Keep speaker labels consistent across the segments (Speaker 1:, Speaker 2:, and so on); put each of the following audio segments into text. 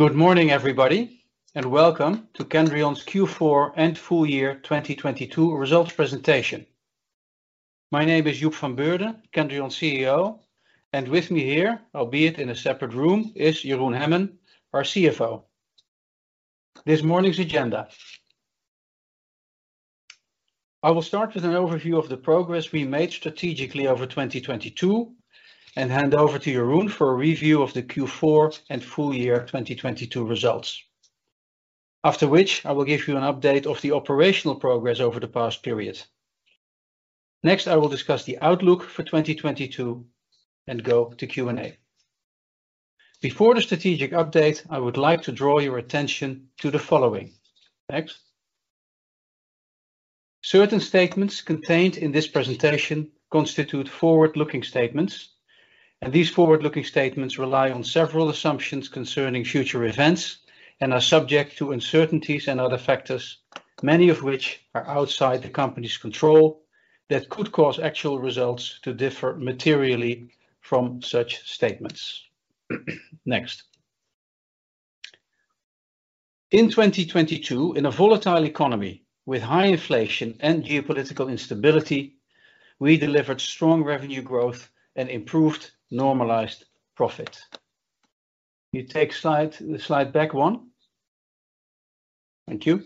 Speaker 1: Good morning, everybody, and welcome to Kendrion's Q4 and full year 2022 results presentation. My name is Joep van Beurden, Kendrion CEO, and with me here, albeit in a separate room, is Jeroen Hemmen, our CFO. This morning's agenda. I will start with an overview of the progress we made strategically over 2022, and hand over to Jeroen for a review of the Q4 and full year 2022 results. After which, I will give you an update of the operational progress over the past period. I will discuss the outlook for 2022 and go to Q&A. Before the strategic update, I would like to draw your attention to the following. Next. Certain statements contained in this presentation constitute forward-looking statements. These forward-looking statements rely on several assumptions concerning future events and are subject to uncertainties and other factors, many of which are outside the company's control that could cause actual results to differ materially from such statements. Next. In 2022, in a volatile economy with high inflation and geopolitical instability, we delivered strong revenue growth and improved normalized profit. Can you take slide back 1? Thank you.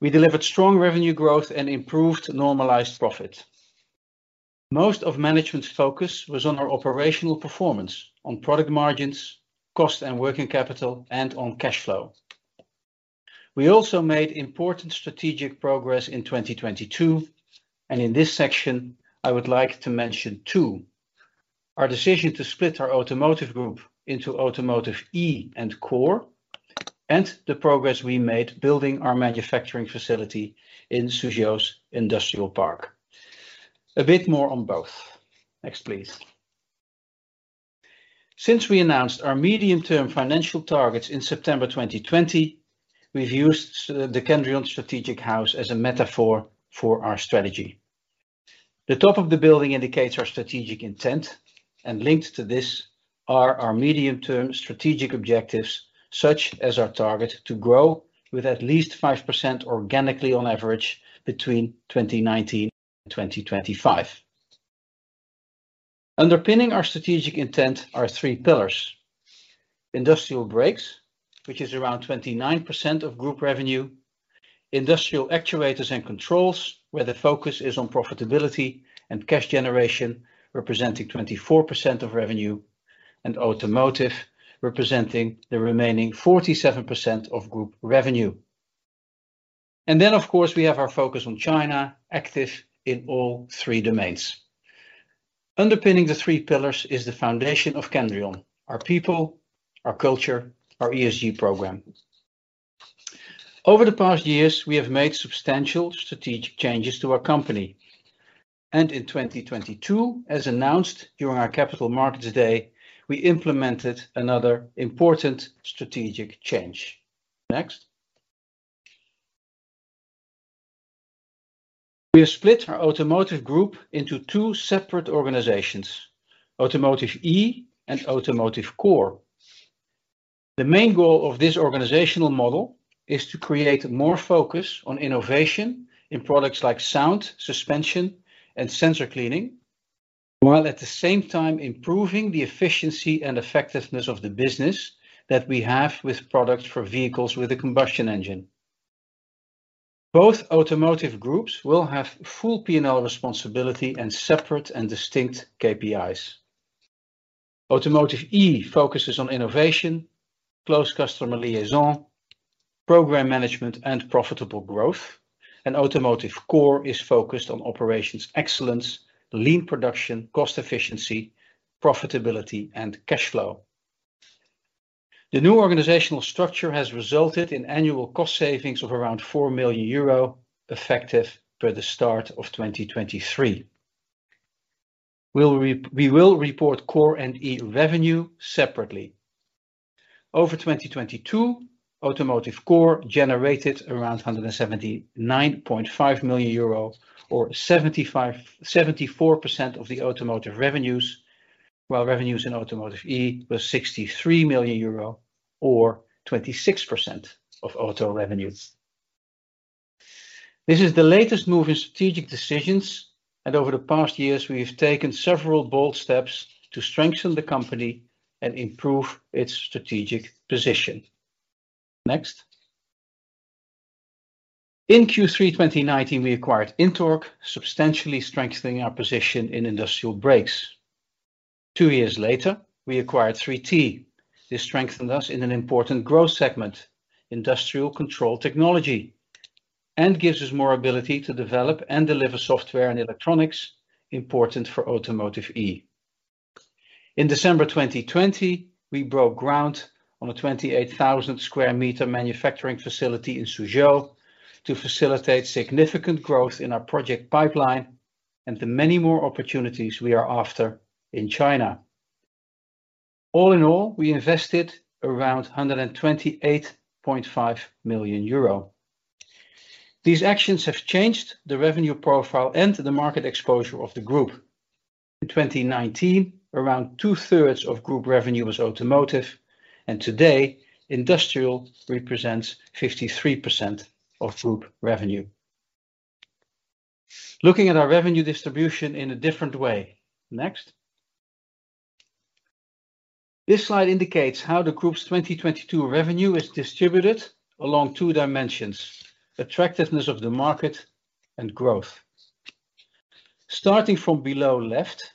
Speaker 1: We delivered strong revenue growth and improved normalized profit. Most of management's focus was on our operational performance, on product margins, cost and working capital, and on cash flow. We also made important strategic progress in 2022, in this section, I would like to mention 2: Our decision to split our automotive group into Automotive E and Core, the progress we made building our manufacturing facility in Suzhou Industrial Park. A bit more on both. Next, please. Since we announced our medium-term financial targets in September 2020, we've used the Kendrion strategic house as a metaphor for our strategy. The top of the building indicates our strategic intent, linked to this are our medium-term strategic objectives, such as our target to grow with at least 5% organically on average between 2019 and 2025. Underpinning our strategic intent are three pillars. Industrial brakes, which is around 29% of group revenue, industrial actuators and controls, where the focus is on profitability and cash generation, representing 24% of revenue, and automotive, representing the remaining 47% of group revenue. Of course, we have our focus on China, active in all three domains. Underpinning the three pillars is the foundation of Kendrion, our people, our culture, our ESG program. Over the past years, we have made substantial strategic changes to our company. In 2022, as announced during our Capital Markets Day, we implemented another important strategic change. Next. We have split our automotive group into two separate organizations, Automotive E and Automotive Core. The main goal of this organizational model is to create more focus on innovation in products like sound, suspension, and sensor cleaning, while at the same time improving the efficiency and effectiveness of the business that we have with products for vehicles with a combustion engine. Both Automotive groups will have full P&L responsibility and separate and distinct KPIs. Automotive E focuses on innovation, close customer liaison, program management, and profitable growth. Automotive Core is focused on operations excellence, lean production, cost efficiency, profitability, and cash flow. The new organizational structure has resulted in annual cost savings of around 4 million euro, effective per the start of 2023. We will report Core and E revenue separately. Over 2022, Automotive Core generated around 179.5 million euro or 74% of the automotive revenues, while revenues in Automotive E was 63 million euro or 26% of auto revenues. This is the latest move in strategic decisions. Over the past years, we have taken several bold steps to strengthen the company and improve its strategic position. Next. In Q3 2019, we acquired INTORQ, substantially strengthening our position in industrial brakes. 2 years later, we acquired 3T. This strengthened us in an important growth segment, industrial control technology, and gives us more ability to develop and deliver software and electronics important for Automotive E. In December 2020, we broke ground on a 28,000 square meter manufacturing facility in Suzhou to facilitate significant growth in our project pipeline and the many more opportunities we are after in China. All in all, we invested around 128.5 million euro. These actions have changed the revenue profile and the market exposure of the group. In 2019, around 2/3 of group revenue was automotive, today, industrial represents 53% of group revenue. Looking at our revenue distribution in a different way. Next. This slide indicates how the group's 2022 revenue is distributed along two dimensions, attractiveness of the market and growth. Starting from below left,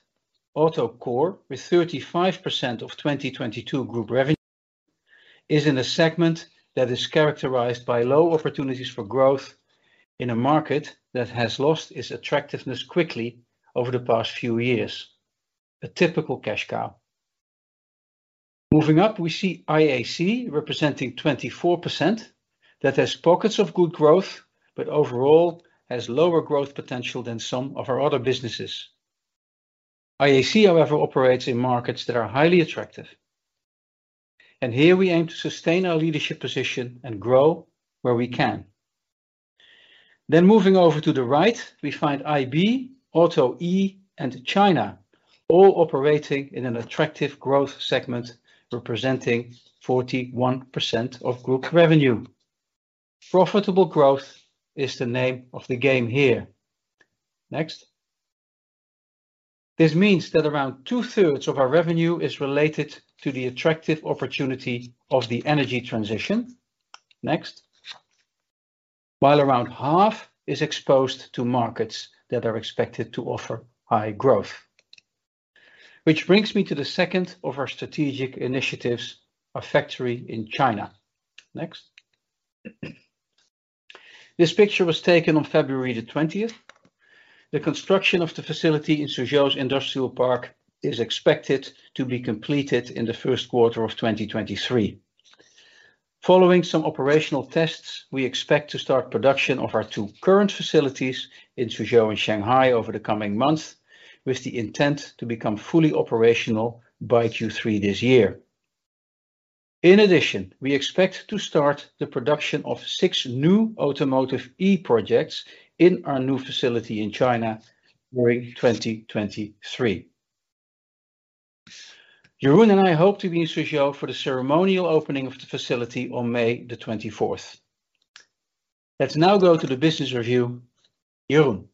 Speaker 1: AutoCore, with 35% of 2022 group revenue, is in a segment that is characterized by low opportunities for growth in a market that has lost its attractiveness quickly over the past few years. A typical cash cow. Moving up, we see IAC representing 24% that has pockets of good growth, overall has lower growth potential than some of our other businesses. IAC, however, operates in markets that are highly attractive, here we aim to sustain our leadership position and grow where we can. Moving over to the right, we find IB, AutoE, and China, all operating in an attractive growth segment representing 41% of group revenue. Profitable growth is the name of the game here. Next. This means that around two-thirds of our revenue is related to the attractive opportunity of the energy transition. Next. While around half is exposed to markets that are expected to offer high growth, which brings me to the second of our strategic initiatives, our factory in China. Next. This picture was taken on February the twentieth. The construction of the facility in Suzhou's industrial park is expected to be completed in the first quarter of 2023. Following some operational tests, we expect to start production of our two current facilities in Suzhou and Shanghai over the coming months, with the intent to become fully operational by Q3 this year. In addition, we expect to start the production of six new Automotive E projects in our new facility in China during 2023. Jeroen and I hope to be in Suzhou for the ceremonial opening of the facility on May 24th. Let's now go to the business review. Jeroen.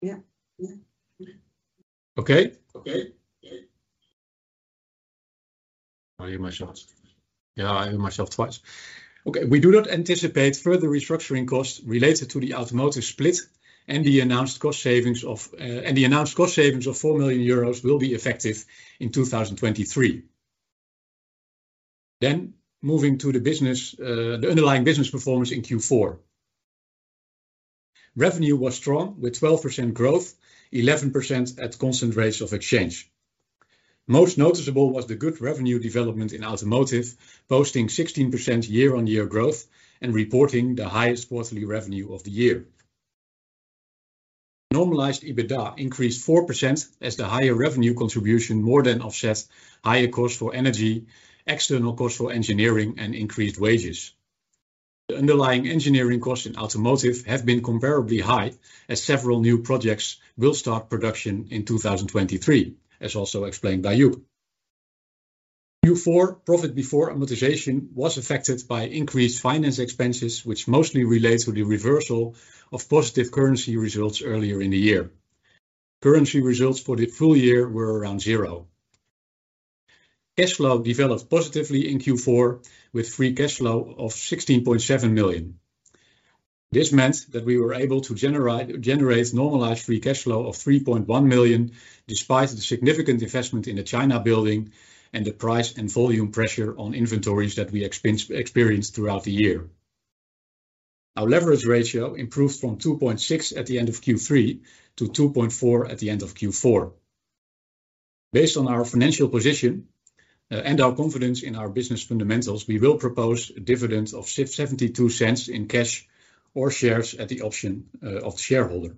Speaker 2: Yeah. Yeah.
Speaker 1: Okay?
Speaker 2: Okay. Okay. I hear myself. Yeah, I hear myself twice. Okay. We do not anticipate further restructuring costs related to the automotive split and the announced cost savings of 4 million euros will be effective in 2023. Moving to the business, the underlying business performance in Q4. Revenue was strong with 12% growth, 11% at constant rates of exchange. Most noticeable was the good revenue development in automotive, posting 16% year-on-year growth and reporting the highest quarterly revenue of the year. Normalized EBITDA increased 4% as the higher revenue contribution more than offset higher cost for energy, external cost for engineering, and increased wages. The underlying engineering costs in automotive have been comparably high as several new projects will start production in 2023, as also explained by you. Q4 profit before amortization was affected by increased finance expenses, which mostly relate to the reversal of positive currency results earlier in the year. Currency results for the full year were around zero. Cash flow developed positively in Q4 with free cash flow of 16.7 million. This meant that we were able to generate normalized free cash flow of 3.1 million, despite the significant investment in the China building and the price and volume pressure on inventories that we experienced throughout the year. Our leverage ratio improved from 2.6 at the end of Q3 to 2.4 at the end of Q4. Based on our financial position and our confidence in our business fundamentals, we will propose a dividend of 0.72 in cash or shares at the option of shareholder.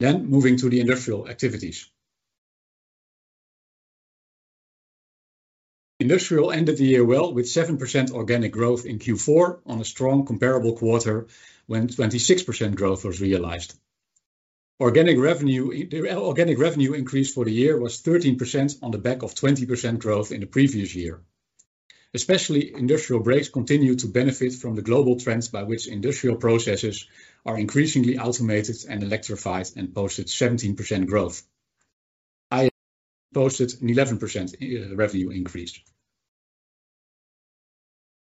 Speaker 2: Moving to the industrial activities. Industrial ended the year well, with 7% organic growth in Q4 on a strong comparable quarter, when 26% growth was realized. The organic revenue increase for the year was 13% on the back of 20% growth in the previous year. Especially industrial brakes continue to benefit from the global trends by which industrial processes are increasingly automated and electrified and posted 17% growth. I posted an 11% revenue increase.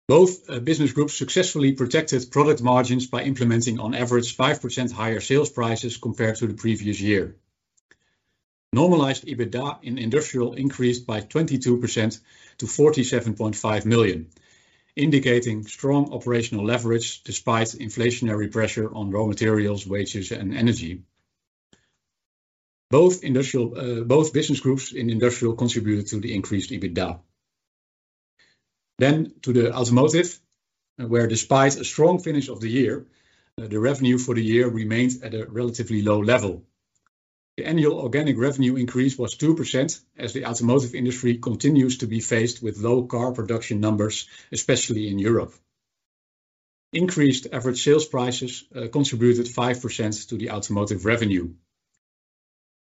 Speaker 2: Both business groups successfully protected product margins by implementing on average 5% higher sales prices compared to the previous year. Normalized EBITDA in industrial increased by 22% to 47.5 million, indicating strong operational leverage despite inflationary pressure on raw materials, wages and energy. Both industrial business groups in industrial contributed to the increased EBITDA. To the automotive, where despite a strong finish of the year, the revenue for the year remains at a relatively low level. The annual organic revenue increase was 2%, as the automotive industry continues to be faced with low car production numbers, especially in Europe. Increased average sales prices contributed 5% to the automotive revenue.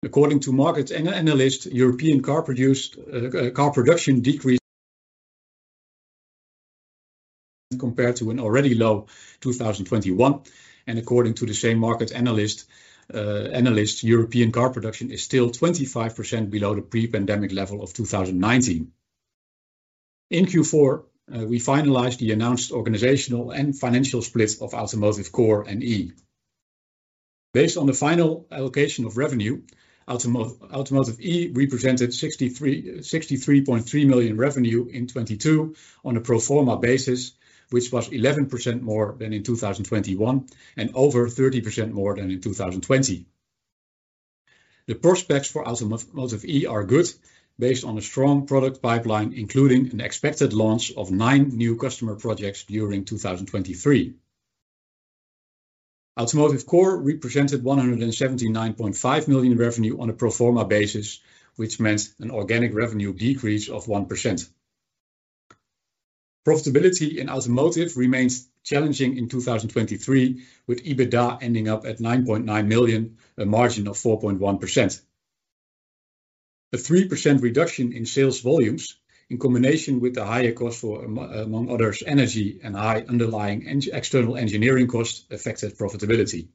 Speaker 2: According to market analyst, European car production decreased compared to an already low 2021. According to the same market analyst, European car production is still 25% below the pre-pandemic level of 2019. In Q4, we finalized the announced organizational and financial split of Automotive Core and Automotive E. Based on the final allocation of revenue, Automotive E represented 63.3 million revenue in 2022 on a pro forma basis, which was 11% more than in 2021 and over 30% more than in 2020. The prospects for Automotive E are good based on a strong product pipeline, including an expected launch of 9 new customer projects during 2023. Automotive Core represented 179.5 million revenue on a pro forma basis, which meant an organic revenue decrease of 1%. Profitability in automotive remains challenging in 2023, with EBITDA ending up at 9.9 million, a margin of 4.1%. A 3% reduction in sales volumes, in combination with the higher cost for, among others, energy and high underlying external engineering costs affected profitability.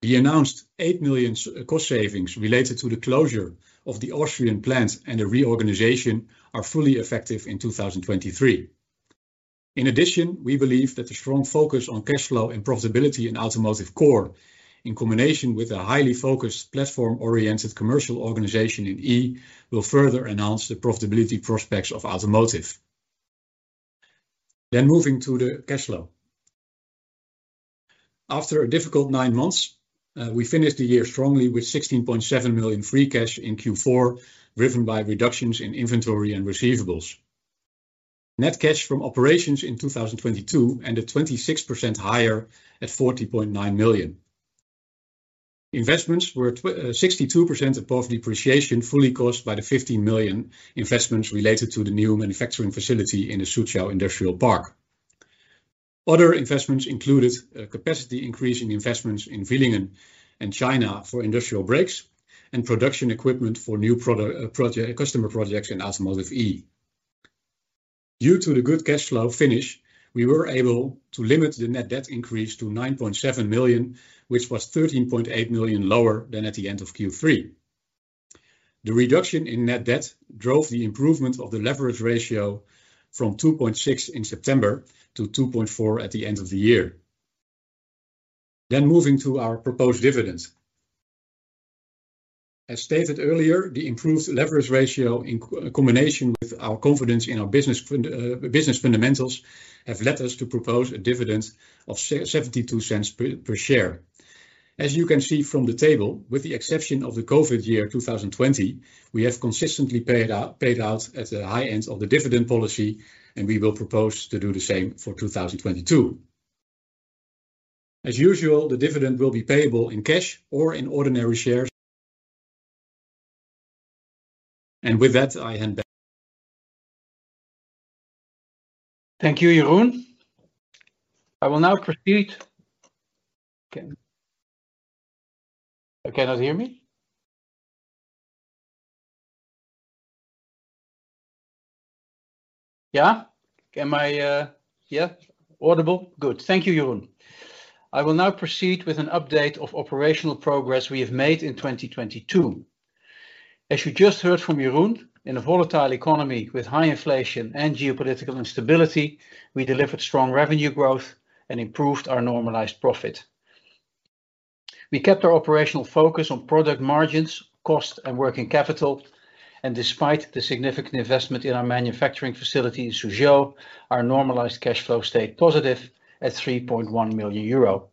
Speaker 2: The announced 8 million cost savings related to the closure of the Austrian plants and the reorganization are fully effective in 2023. In addition, we believe that the strong focus on cash flow and profitability in Automotive Core, in combination with a highly focused, platform-oriented commercial organization in E, will further enhance the profitability prospects of automotive. Moving to the cash flow. After a difficult nine months, we finished the year strongly with 16.7 million free cash in Q4, driven by reductions in inventory and receivables. Net cash from operations in 2022 ended 26% higher at 40.9 million. Investments were 62% above depreciation, fully caused by the 15 million investments related to the new manufacturing facility in the Suzhou Industrial Park. Other investments included capacity increase in investments in Villingen and China for industrial brakes and production equipment for new project, customer projects in Automotive E. Due to the good cash flow finish, we were able to limit the net debt increase to 9.7 million, which was 13.8 million lower than at the end of Q3. The reduction in net debt drove the improvement of the leverage ratio from 2.6 in September to 2.4 at the end of the year. Moving to our proposed dividend. As stated earlier, the improved leverage ratio in combination with our confidence in our business fundamentals have led us to propose a dividend of 0.72 per share. As you can see from the table, with the exception of the COVID year, 2020, we have consistently paid out at the high end of the dividend policy, we will propose to do the same for 2022. As usual, the dividend will be payable in cash or in ordinary shares. With that, I hand back.
Speaker 1: Thank you, Jeroen. I will now proceed... You cannot hear me? Yeah? Am I, Yeah? Audible? Good. Thank you, Jeroen. I will now proceed with an update of operational progress we have made in 2022. As you just heard from Jeroen, in a volatile economy with high inflation and geopolitical instability, we delivered strong revenue growth and improved our normalized profit. We kept our operational focus on product margins, cost, and working capital. Despite the significant investment in our manufacturing facility in Suzhou, our normalized cash flow stayed positive at 3.1 million euro.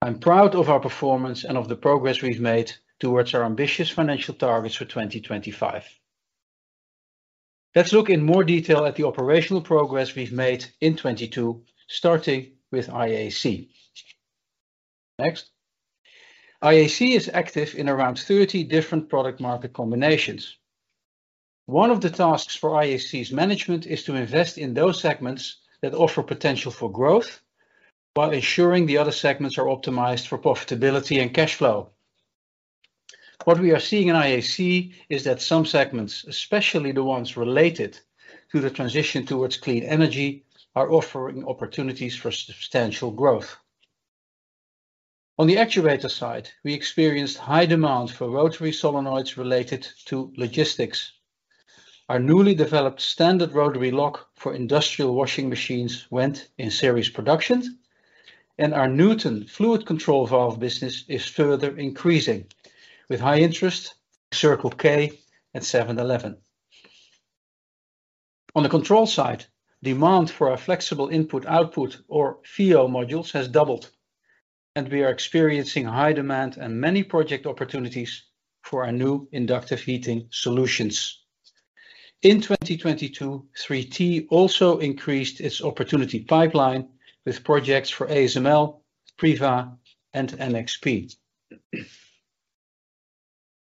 Speaker 1: I'm proud of our performance and of the progress we've made towards our ambitious financial targets for 2025. Let's look in more detail at the operational progress we've made in 2022, starting with IAC. Next. IAC is active in around 30 different product market combinations. One of the tasks for IAC's management is to invest in those segments that offer potential for growth while ensuring the other segments are optimized for profitability and cash flow. What we are seeing in IAC is that some segments, especially the ones related to the transition towards clean energy, are offering opportunities for substantial growth. On the actuator side, we experienced high demand for rotary solenoids related to logistics. Our newly developed standard rotary lock for industrial washing machines went in series production. Our Newton fluid control valve business is further increasing with high interest, Circle K, and 7-Eleven. On the control side, demand for our flexible input/output or FIO modules has doubled, and we are experiencing high demand and many project opportunities for our new inductive heating solutions. In 2022, 3T also increased its opportunity pipeline with projects for ASML, Priva, and NXP.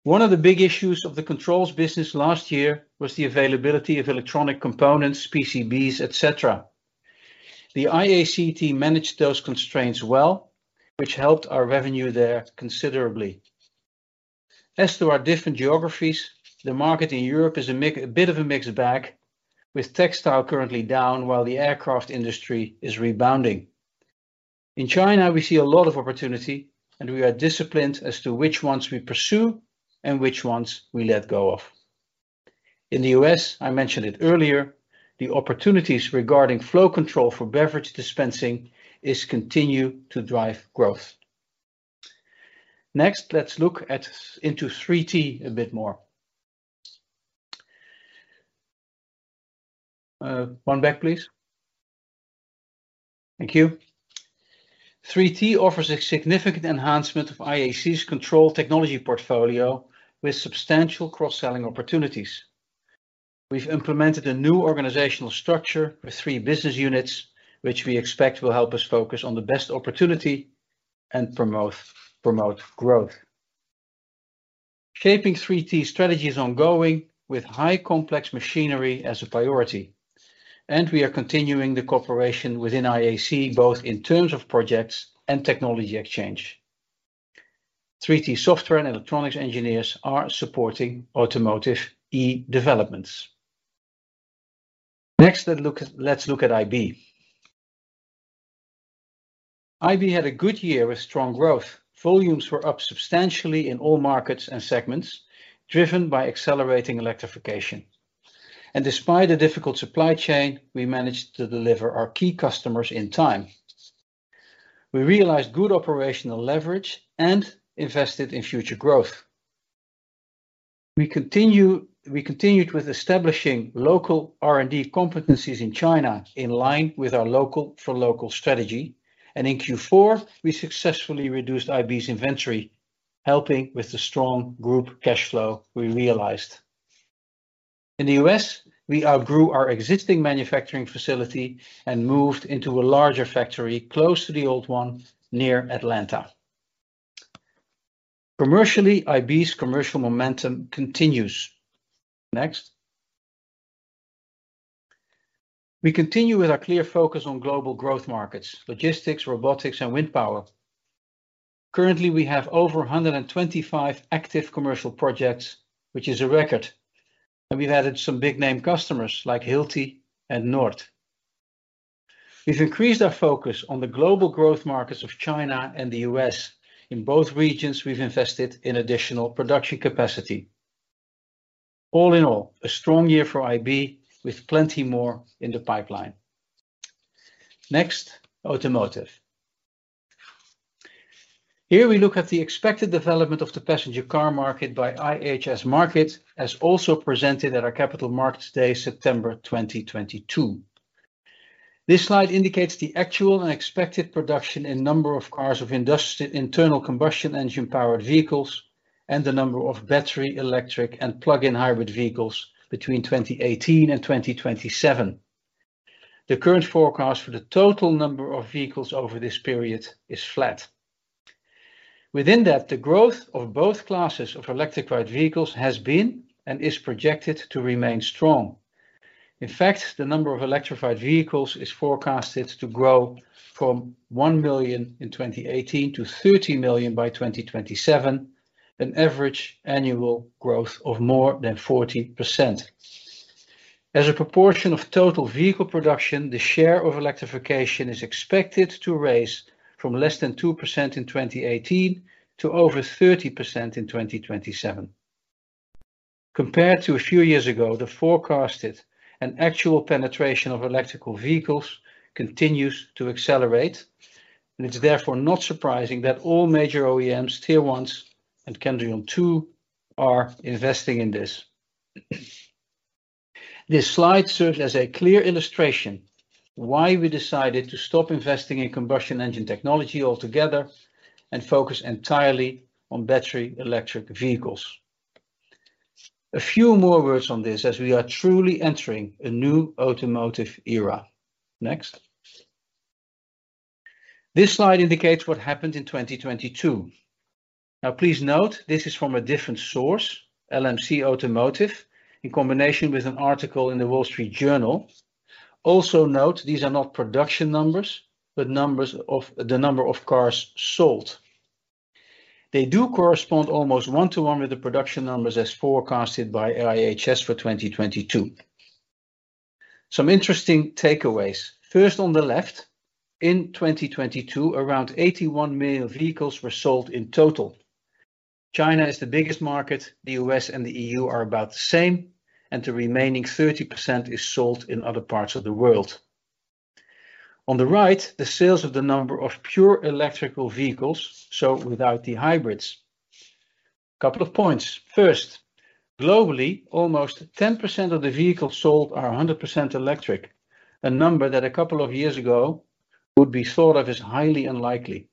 Speaker 1: One of the big issues of the controls business last year was the availability of electronic components, PCBs, et cetera. The IAC team managed those constraints well, which helped our revenue there considerably. As to our different geographies, the market in Europe is a bit of a mixed bag, with textile currently down while the aircraft industry is rebounding. In China, we see a lot of opportunity, and we are disciplined as to which ones we pursue and which ones we let go of. In the U.S., I mentioned it earlier, the opportunities regarding flow control for beverage dispensing is continue to drive growth. Next, let's look into 3T a bit more. One back, please. Thank you. 3T offers a significant enhancement of IAC's control technology portfolio with substantial cross-selling opportunities. We've implemented a new organizational structure with three business units, which we expect will help us focus on the best opportunity and promote growth. Shaping 3T strategy is ongoing, with high complex machinery as a priority. We are continuing the cooperation within IAC, both in terms of projects and technology exchange. 3T software and electronics engineers are supporting Automotive E developments. Next, let's look at IB. IB had a good year with strong growth. Volumes were up substantially in all markets and segments, driven by accelerating electrification. Despite a difficult supply chain, we managed to deliver our key customers in time. We realized good operational leverage and invested in future growth. We continued with establishing local R&D competencies in China in line with our local for local strategy. In Q4, we successfully reduced IB's inventory, helping with the strong group cash flow we realized. In the US, we outgrew our existing manufacturing facility and moved into a larger factory close to the old one near Atlanta. Commercially, IB's commercial momentum continues. Next. We continue with our clear focus on global growth markets, logistics, robotics, and wind power. Currently, we have over 125 active commercial projects, which is a record. We've added some big-name customers like Hilti and North. We've increased our focus on the global growth markets of China and the US. In both regions, we've invested in additional production capacity. All in all, a strong year for IB with plenty more in the pipeline. Next, Automotive. Here we look at the expected development of the passenger car market by IHS Markit, as also presented at our Capital Markets Day, September 2022. This slide indicates the actual and expected production and number of cars of internal combustion engine-powered vehicles and the number of battery, electric, and plug-in hybrid vehicles between 2018 and 2027. The current forecast for the total number of vehicles over this period is flat. Within that, the growth of both classes of electrified vehicles has been and is projected to remain strong. In fact, the number of electrified vehicles is forecasted to grow from 1 million in 2018 to 30 million by 2027, an average annual growth of more than 40%. As a proportion of total vehicle production, the share of electrification is expected to raise from less than 2% in 2018 to over 30% in 2027. Compared to a few years ago, the forecasted and actual penetration of electric vehicles continues to accelerate, it's therefore not surprising that all major OEMs, tier ones and Kendrion too are investing in this. This slide serves as a clear illustration why we decided to stop investing in combustion engine technology altogether and focus entirely on battery electric vehicles. A few more words on this as we are truly entering a new automotive era. Next. This slide indicates what happened in 2022. Please note this is from a different source, LMC Automotive, in combination with an article in The Wall Street Journal. Note these are not production numbers, but the number of cars sold. They do correspond almost one to one with the production numbers as forecasted by IHS for 2022. Some interesting takeaways. First on the left, in 2022, around 81 million vehicles were sold in total. China is the biggest market. The U.S. and the E.U. are about the same. The remaining 30% is sold in other parts of the world. On the right, the sales of the number of pure electrical vehicles, so without the hybrids. Couple of points. First, globally, almost 10% of the vehicles sold are 100% electric, a number that a couple of years ago would be thought of as highly unlikely.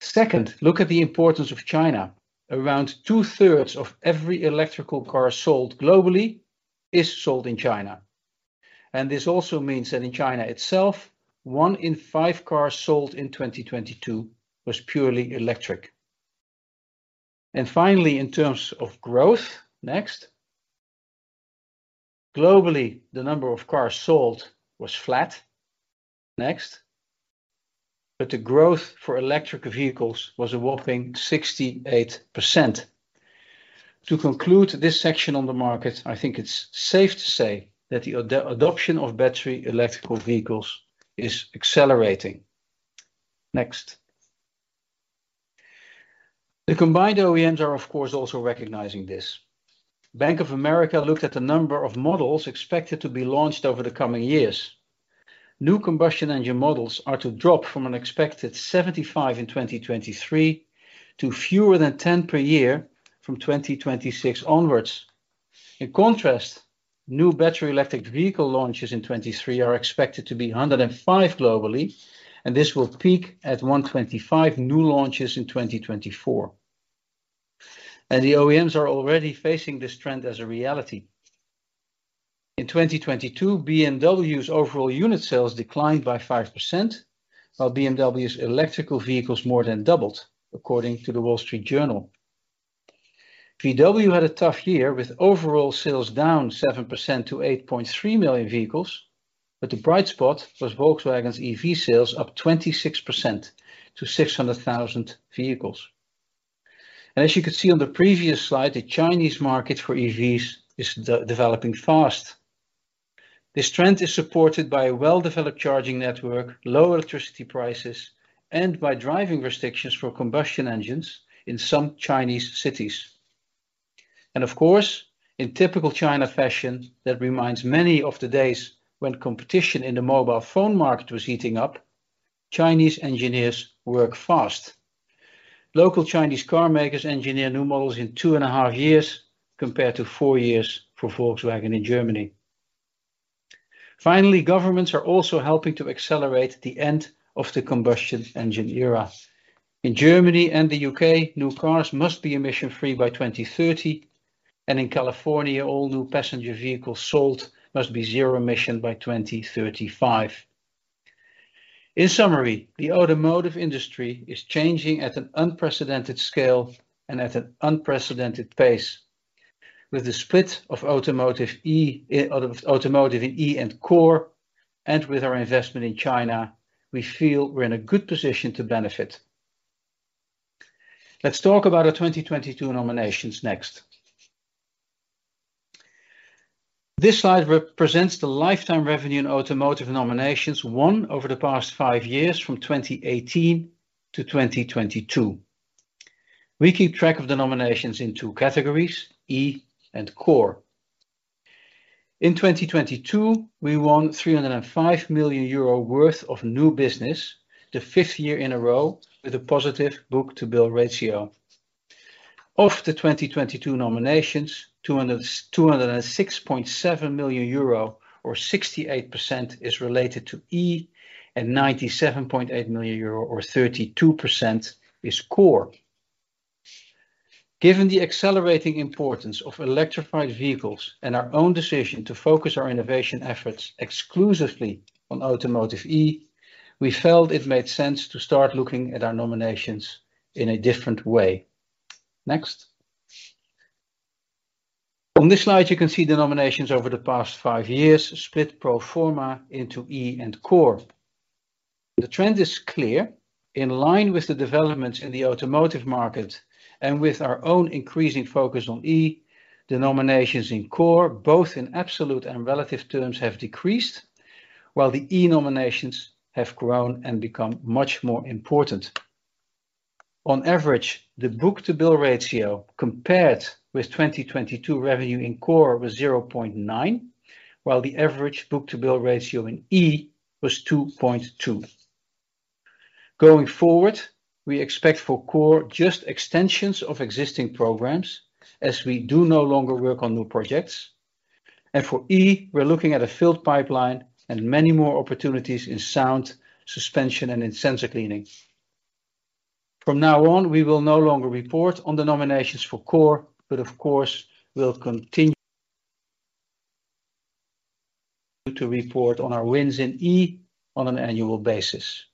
Speaker 1: Second, look at the importance of China. Around 2/3 of every electrical car sold globally is sold in China. This also means that in China itself, one in five cars sold in 2022 was purely electric. Finally, in terms of growth, next. Globally, the number of cars sold was flat. Next. The growth for electric vehicles was a whopping 68%. To conclude this section on the market, I think it's safe to say that the adoption of battery electric vehicles is accelerating. Next. The combined OEMs are of course also recognizing this. Bank of America looked at the number of models expected to be launched over the coming years. New combustion engine models are to drop from an expected 75 in 2023 to fewer than 10 per year from 2026 onwards. In contrast, new battery electric vehicle launches in 2023 are expected to be 105 globally, and this will peak at 125 new launches in 2024. The OEMs are already facing this trend as a reality. In 2022, BMW's overall unit sales declined by 5% while BMW's electric vehicles more than doubled, according to The Wall Street Journal. VW had a tough year with overall sales down 7% to 8.3 million vehicles, but the bright spot was Volkswagen's EV sales up 26% to 600,000 vehicles. As you could see on the previous slide, the Chinese market for EVs is de-developing fast. This trend is supported by a well-developed charging network, low electricity prices, and by driving restrictions for combustion engines in some Chinese cities. Of course, in typical China fashion, that reminds many of the days when competition in the mobile phone market was heating up, Chinese engineers work fast. Local Chinese car makers engineer new models in two and a half years compared to 4 years for Volkswagen in Germany. Finally, governments are also helping to accelerate the end of the combustion engine era. In Germany and the U.K., new cars must be emission-free by 2030, and in California, all new passenger vehicles sold must be zero emission by 2035. In summary, the automotive industry is changing at an unprecedented scale and at an unprecedented pace. With the split of E and Core, and with our investment in China, we feel we're in a good position to benefit. Let's talk about our 2022 nominations next. This slide represents the lifetime revenue in automotive nominations won over the past five years from 2018 to 2022. We keep track of the nominations in two categories, E and Core. In 2022, we won 305 million euro worth of new business, the fifth year in a row with a positive book-to-bill ratio. Of the 2022 nominations, 206.7 million euro or 68% is related to E, 97.8 million euro or 32% is Core. Given the accelerating importance of electrified vehicles and our own decision to focus our innovation efforts exclusively on Automotive E, we felt it made sense to start looking at our nominations in a different way. Next. On this slide, you can see the nominations over the past 5 years split pro forma into E and Core. The trend is clear. In line with the developments in the automotive market and with our own increasing focus on E, the nominations in Core, both in absolute and relative terms, have decreased, while the E nominations have grown and become much more important. On average, the book-to-bill ratio compared with 2022 revenue in Core was 0.9, while the average book-to-bill ratio in E was 2.2. Going forward, we expect for Core just extensions of existing programs, as we do no longer work on new projects. For E, we're looking at a filled pipeline and many more opportunities in sound, suspension, and in sensor cleaning. From now on, we will no longer report on the nominations for Core, but of course, we'll continue to report on our wins in E on an annual basis.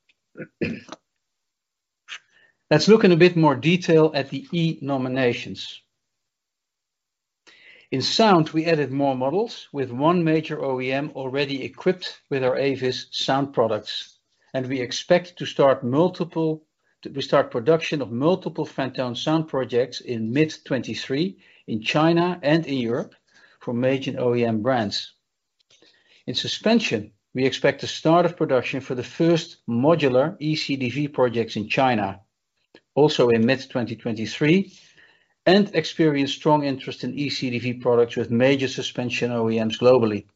Speaker 1: Let's look in a bit more detail at the E nominations. In sound, we added more models with one major OEM already equipped with our AVAS sound products, and we expect to start production of multiple PANTONE sound projects in mid 2023 in China and in Europe for major OEM brands. In suspension, we expect the start of production for the first modular ECDV projects in China, also in mid 2023, and experience strong interest in ECDV products with major suspension OEMs globally.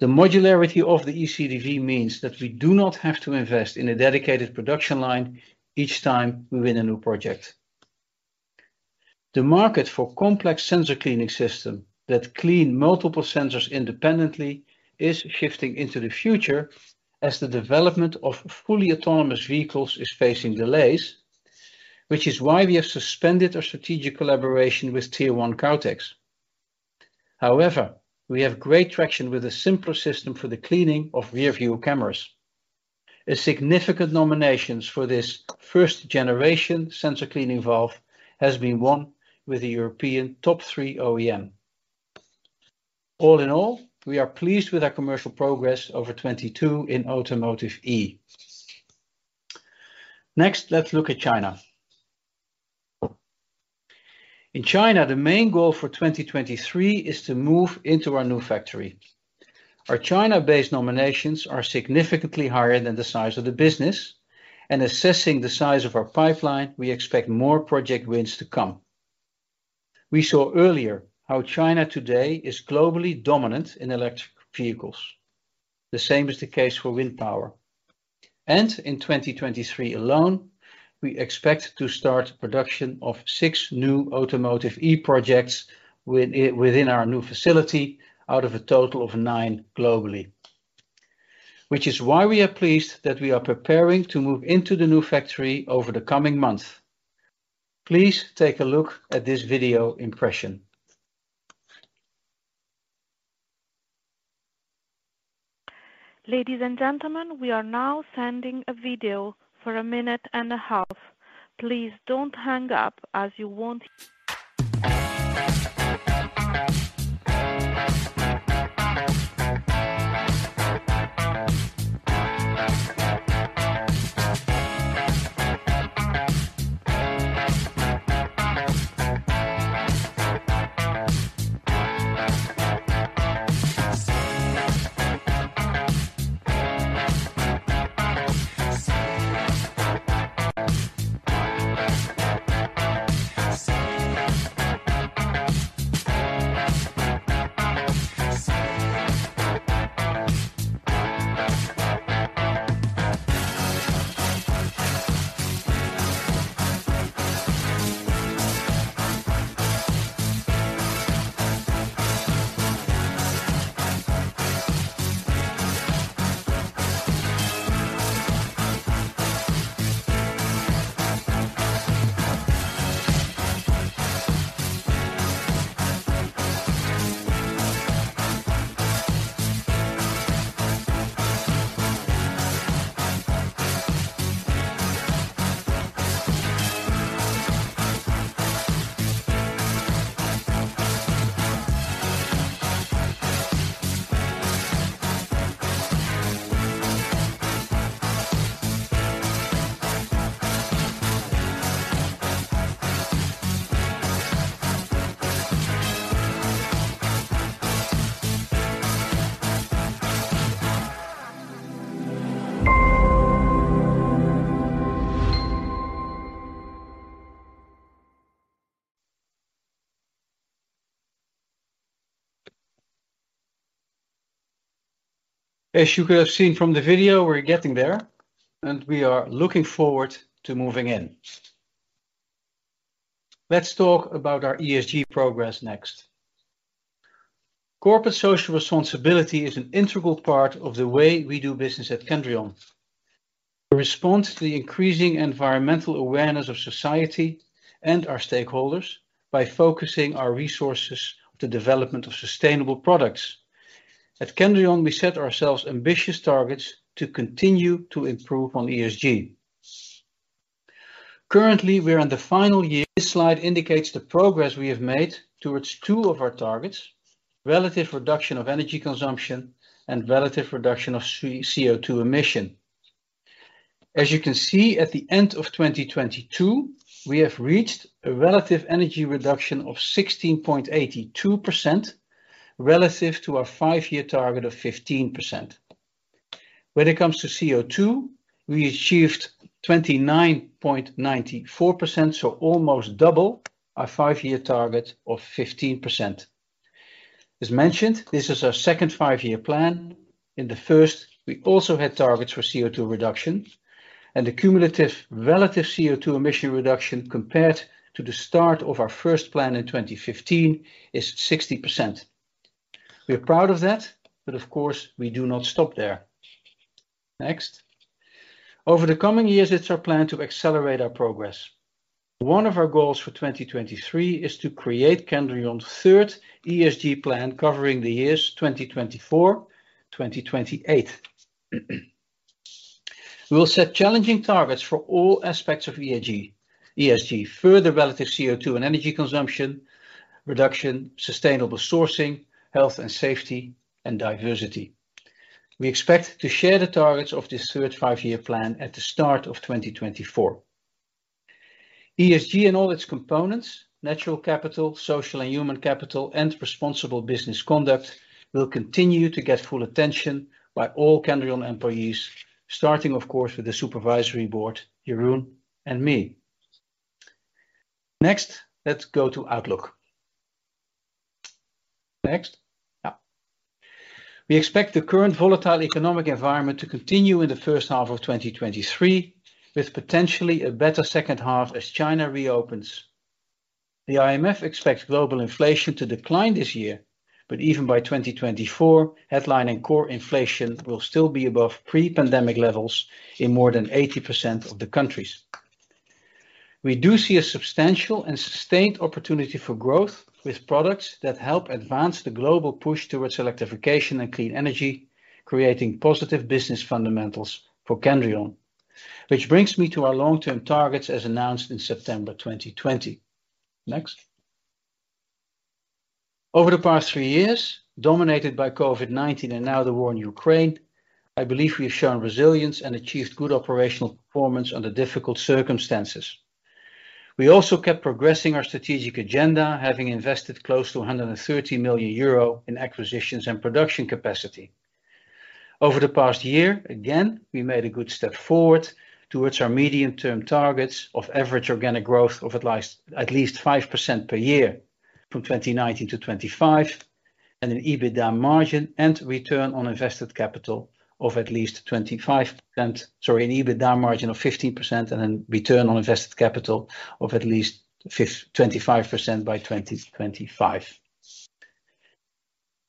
Speaker 1: The modularity of the ECDV means that we do not have to invest in a dedicated production line each time we win a new project. The market for complex sensor cleaning system that clean multiple sensors independently is shifting into the future as the development of fully autonomous vehicles is facing delays, which is why we have suspended our strategic collaboration with Tier One Kautex. However, we have great traction with a simpler system for the cleaning of rear-view cameras. A significant nominations for this first generation sensor cleaning valve has been won with the European top three OEM. All in all, we are pleased with our commercial progress over 2022 in Automotive E. Next, let's look at China. In China, the main goal for 2023 is to move into our new factory. Our China-based nominations are significantly higher than the size of the business. Assessing the size of our pipeline, we expect more project wins to come. We saw earlier how China today is globally dominant in electric vehicles. The same is the case for wind power. In 2023 alone, we expect to start production of 6 new Automotive E projects within our new facility out of a total of 9 globally, which is why we are pleased that we are preparing to move into the new factory over the coming month. Please take a look at this video impression.
Speaker 3: Ladies and gentlemen, we are now sending a video for a minute and a half. Please don't hang up as you won't.
Speaker 1: As you could have seen from the video, we're getting there, and we are looking forward to moving in. Let's talk about our ESG progress next. Corporate social responsibility is an integral part of the way we do business at Kendrion. A response to the increasing environmental awareness of society and our stakeholders by focusing our resources on the development of sustainable products. At Kendrion, we set ourselves ambitious targets to continue to improve on ESG. Currently, we are in the final year. This slide indicates the progress we have made towards two of our targets, relative reduction of energy consumption and relative reduction of CO₂ emission. As you can see, at the end of 2022, we have reached a relative energy reduction of 16.82% relative to our five-year target of 15%. When it comes to CO₂, we achieved 29.94%, so almost double our five-year target of 15%. As mentioned, this is our second five-year plan. In the first, we also had targets for CO₂ reduction, and the cumulative relative CO₂ emission reduction compared to the start of our first plan in 2015 is 60%. We are proud of that, but of course, we do not stop there. Next. Over the coming years, it's our plan to accelerate our progress. One of our goals for 2023 is to create Kendrion's third ESG plan covering the years 2024, 2028. We will set challenging targets for all aspects of ESG, further relative CO₂ and energy consumption reduction, sustainable sourcing, health and safety, and diversity. We expect to share the targets of this third five-year plan at the start of 2024. ESG in all its components, natural capital, social and human capital, and responsible business conduct, will continue to get full attention by all Kendrion employees, starting, of course, with the supervisory board, Jeroen and me. Next, let's go to outlook. Next. We expect the current volatile economic environment to continue in the first half of 2023, with potentially a better second half as China reopens. The IMF expects global inflation to decline this year, but even by 2024, headline and core inflation will still be above pre-pandemic levels in more than 80% of the countries. We do see a substantial and sustained opportunity for growth with products that help advance the global push towards electrification and clean energy, creating positive business fundamentals for Kendrion. Which brings me to our long-term targets as announced in September 2020. Next. Over the past 3 years, dominated by COVID-19 and now the war in Ukraine, I believe we have shown resilience and achieved good operational performance under difficult circumstances. We also kept progressing our strategic agenda, having invested close to 130 million euro in acquisitions and production capacity. Over the past year, again, we made a good step forward towards our medium-term targets of average organic growth of at least 5% per year from 2019 to 2025, and an EBITDA margin and return on invested capital of at least 25%. Sorry, an EBITDA margin of 15% and then return on invested capital of at least 25% by 2025.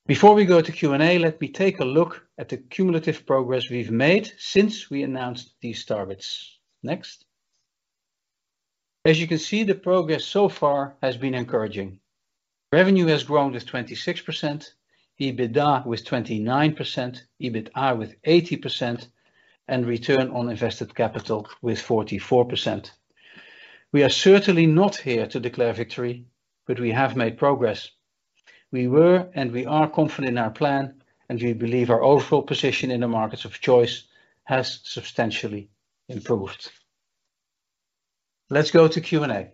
Speaker 1: Before we go to Q&A, let me take a look at the cumulative progress we've made since we announced these targets. Next. As you can see, the progress so far has been encouraging. Revenue has grown with 26%, EBITDA with 29%, EBITA with 80%, and return on invested capital with 44%. We are certainly not here to declare victory, but we have made progress. We were and we are confident in our plan, and we believe our overall position in the markets of choice has substantially improved. Let's go to Q&A.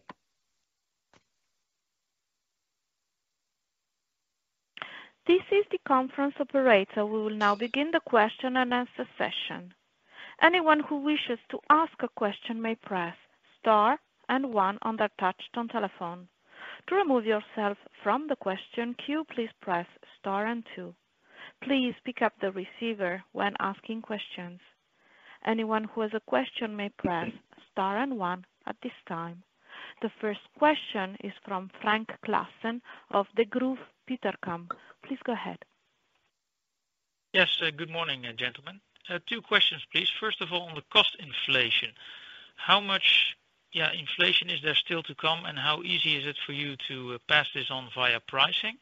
Speaker 3: This is the conference operator. We will now begin the question and answer session. Anyone who wishes to ask a question may press star and one on their touch-tone telephone. To remove yourself from the question queue, please press star and two. Please pick up the receiver when asking questions. Anyone who has a question may press star and one at this time. The first question is from Frank Claassen of Degroof Petercam. Please go ahead.
Speaker 4: Yes, good morning, gentlemen. Two questions, please. First of all, on the cost inflation, how much, yeah, inflation is there still to come, and how easy is it for you to pass this on via pricing?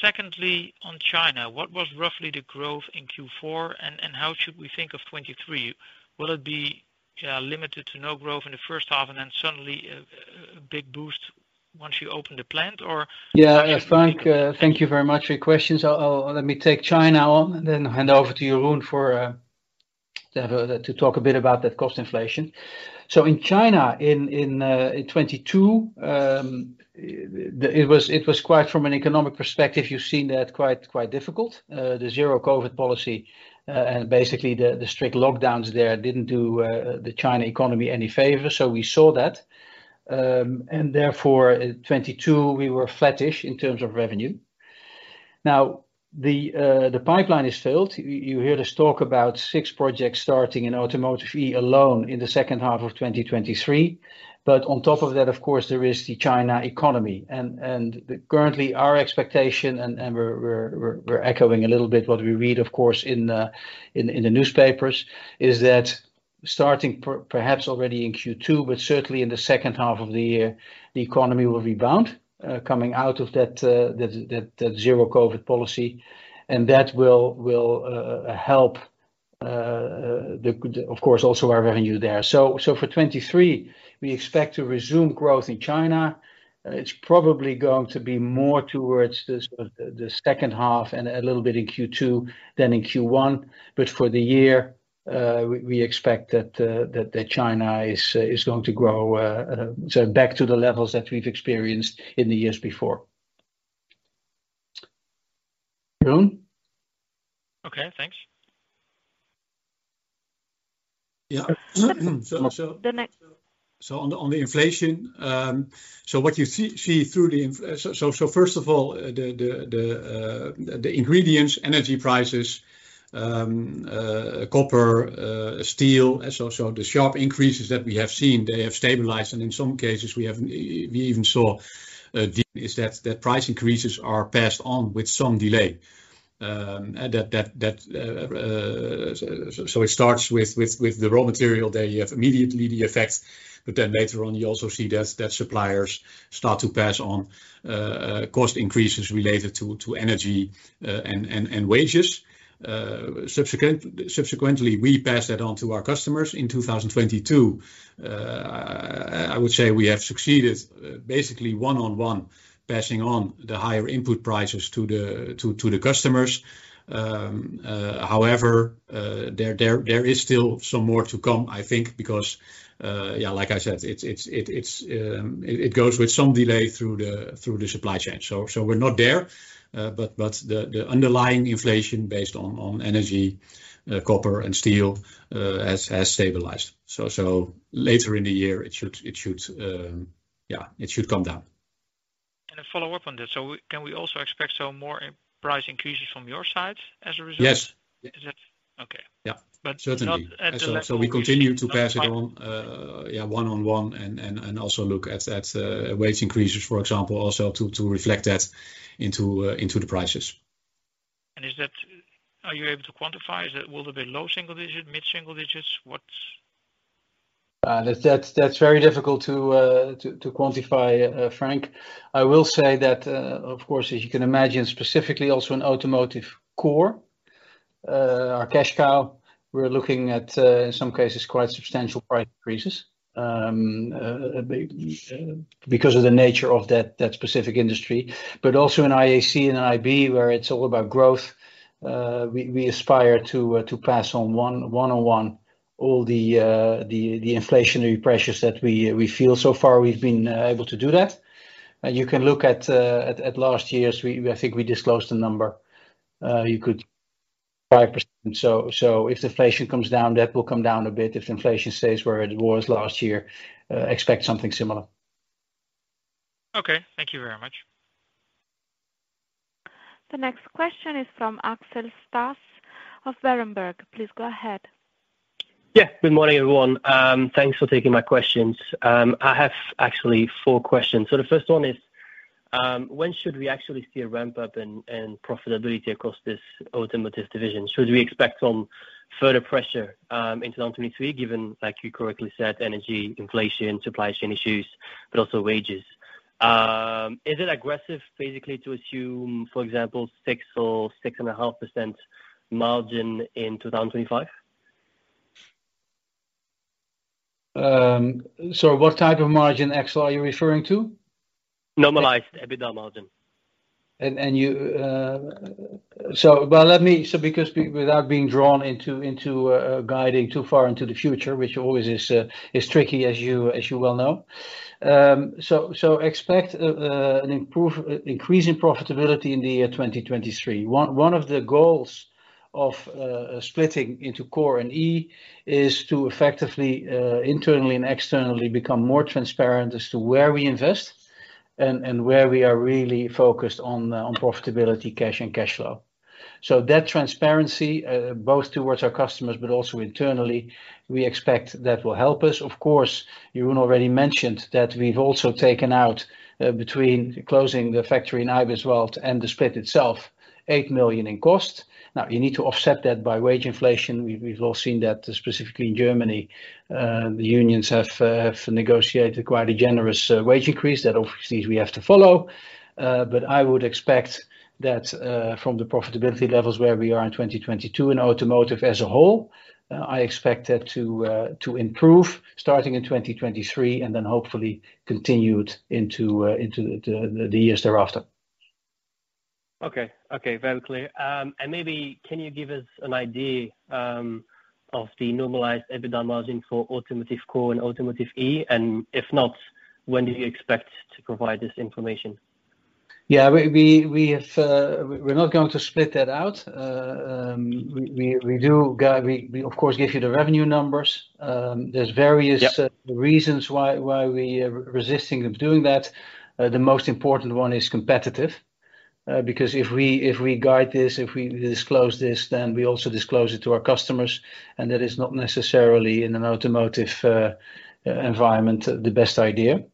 Speaker 4: Secondly, on China, what was roughly the growth in Q4, and how should we think of 2023? Will it be limited to no growth in the first half and then suddenly a big boost once you open the plant or?
Speaker 1: Frank, thank you very much for your questions. I'll let me take China on and then hand over to Jeroen to talk a bit about that cost inflation. In China, in 2022, it was quite from an economic perspective, you've seen that quite difficult. The zero COVID policy and basically the strict lockdowns there didn't do the China economy any favor. We saw that. Therefore, in 2022, we were flattish in terms of revenue. The pipeline is filled. You heard us talk about six projects starting in Automotive E alone in the second half of 2023. On top of that, of course, there is the China economy. Currently, our expectation, and we're echoing a little bit what we read, of course, in the newspapers, is that starting perhaps already in Q2, but certainly in the second half of the year, the economy will rebound, coming out of that zero COVID policy. That will help, of course, also our revenue there. For 2023, we expect to resume growth in China. It's probably going to be more towards the, sort of, the second half and a little bit in Q2 than in Q1. For the year, we expect that China is going to grow, so back to the levels that we've experienced in the years before. Jeroen?
Speaker 2: Okay, thanks.
Speaker 3: Yeah. The next-
Speaker 2: On the inflation, what you see first of all, the ingredients, energy prices, copper, steel, the sharp increases that we have seen, they have stabilized, and in some cases we even saw that price increases are passed on with some delay. It starts with the raw material. There you have immediately the effect, later on, you also see that suppliers start to pass on cost increases related to energy and wages. Subsequently, we pass that on to our customers. In 2022, I would say we have succeeded basically one-on-one passing on the higher input prices to the customers. However, there is still some more to come, I think, because, yeah, like I said, it's, it goes with some delay through the supply chain. We're not there, but the underlying inflation based on energy, copper and steel, has stabilized. Later in the year, it should, yeah, it should come down.
Speaker 4: A follow-up on this. Can we also expect some more price increases from your side as a result?
Speaker 1: Yes.
Speaker 2: Okay.
Speaker 1: Yeah. Certainly.
Speaker 4: Not at the level which.
Speaker 2: We continue to pass it on, yeah, one-on-one and also look at wage increases, for example, also to reflect that into the prices.
Speaker 4: Are you able to quantify? Will it be low single digits, mid single digits? What's...
Speaker 1: That's very difficult to quantify, Frank. I will say that, of course, as you can imagine, specifically also in Automotive Core, our cash cow, we're looking at, in some cases, quite substantial price increases, because of the nature of that specific industry. Also in IAC and IB, where it's all about growth, we aspire to pass on one-on-one all the inflationary pressures that we feel. So far we've been able to do that. You can look at last year's. I think we disclosed a number. 5%. If the inflation comes down, that will come down a bit. If inflation stays where it was last year, expect something similar.
Speaker 4: Okay. Thank you very much.
Speaker 3: The next question is from Axel Stasse of Berenberg. Please go ahead.
Speaker 5: Good morning, everyone. Thanks for taking my questions. I have actually 4 questions. The first one is, when should we actually see a ramp-up in profitability across this automotive division? Should we expect some further pressure into 2023, given, like you correctly said, energy inflation, supply chain issues, but also wages? Is it aggressive basically to assume, for example, 6% or 6.5% margin in 2025?
Speaker 1: What type of margin, Axel, are you referring to?
Speaker 5: Normalized EBITDA margin.
Speaker 1: Without being drawn into guiding too far into the future, which always is tricky, as you well know. So expect an increase in profitability in the year 2023. One of the goals of splitting into Core and E is to effectively internally and externally become more transparent as to where we invest and where we are really focused on profitability, cash, and cash flow. That transparency, both towards our customers but also internally, we expect that will help us. Of course, Jeroen already mentioned that we've also taken out between closing the factory in Ibbenbüren and the split itself, 8 million in cost. You need to offset that by wage inflation. We've all seen that specifically in Germany. The unions have negotiated quite a generous wage increase that obviously we have to follow. I would expect that from the profitability levels where we are in 2022 in automotive as a whole, I expect it to improve starting in 2023 and then hopefully continued into the years thereafter.
Speaker 5: Okay. Okay. Very clear. Maybe can you give us an idea of the normalized EBITDA margin for Automotive Core and Automotive E? If not, when do you expect to provide this information?
Speaker 1: We have We're not going to split that out. We do of course give you the revenue numbers. There's various-
Speaker 5: Yeah...
Speaker 1: reasons why we are resisting of doing that. The most important one is competitive. Because if we guide this, if we disclose this, then we also disclose it to our customers, and that is not necessarily in an automotive environment the best idea.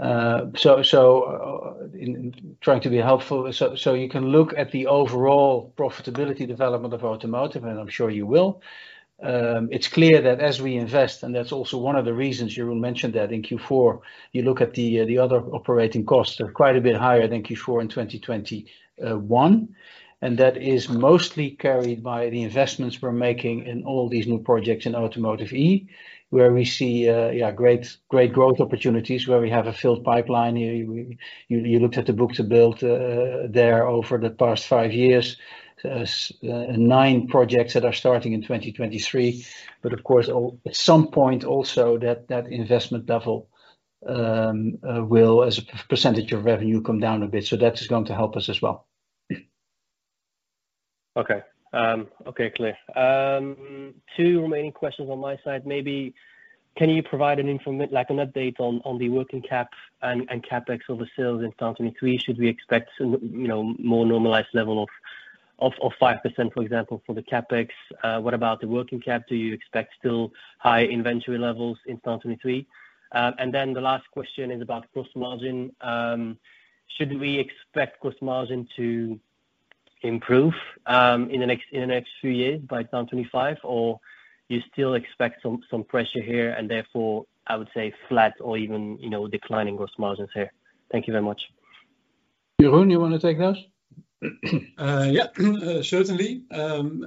Speaker 1: So in trying to be helpful, you can look at the overall profitability development of automotive, and I'm sure you will. It's clear that as we invest, and that's also one of the reasons Jeroen mentioned that in Q4, you look at the other operating costs are quite a bit higher than Q4 in 2021. That is mostly carried by the investments we're making in all these new projects in Automotive E, where we see great growth opportunities, where we have a filled pipeline. You looked at the book-to-build, there over the past five years. Nine projects that are starting in 2023. Of course, at some point also that investment level, will, as a percentage of revenue, come down a bit. That is going to help us as well.
Speaker 5: Okay. Okay, clear. Two remaining questions on my side. Maybe can you provide an update on the working cap and CapEx over sales in 2023? Should we expect some, you know, more normalized level of 5%, for example, for the CapEx? What about the working cap? Do you expect still high inventory levels in 2023? And then the last question is about gross margin. Should we expect gross margin to improve in the next few years by 2025, or you still expect some pressure here and therefore, I would say flat or even, you know, declining gross margins here? Thank you very much.
Speaker 1: Jeroen, you wanna take those?
Speaker 2: Yeah, certainly. On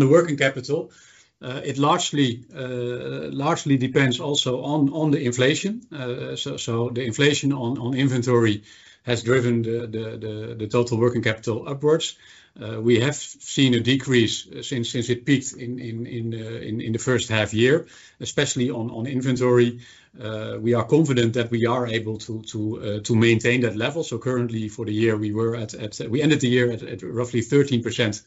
Speaker 2: the working capital, it largely depends also on the inflation. The inflation on inventory has driven the total working capital upwards. We have seen a decrease since it peaked in the first half year, especially on inventory. We are confident that we are able to maintain that level. Currently for the year, we ended the year at roughly 13%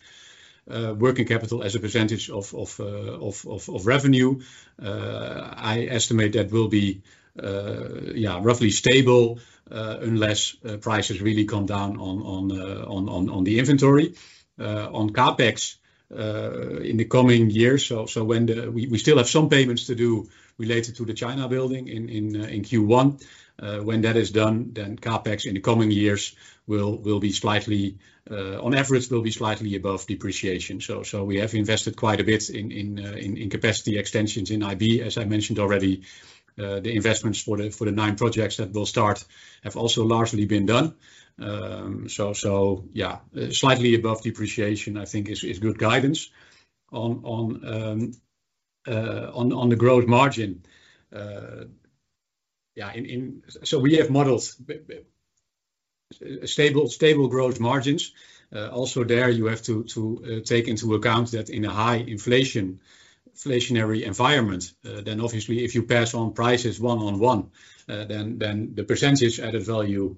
Speaker 2: working capital as a percentage of revenue. I estimate that will be roughly stable unless prices really come down on the inventory. On CapEx, in the coming years, when we still have some payments to do related to the China building in Q1. When that is done, then CapEx in the coming years will be slightly, on average, will be slightly above depreciation. We have invested quite a bit in capacity extensions in IB, as I mentioned already. Yeah, slightly above depreciation I think is good guidance. On the growth margin, yeah. We have modeled stable growth margins. Also there you have to take into account that in a high inflationary environment, then obviously if you pass on prices one on one, then the percentage added value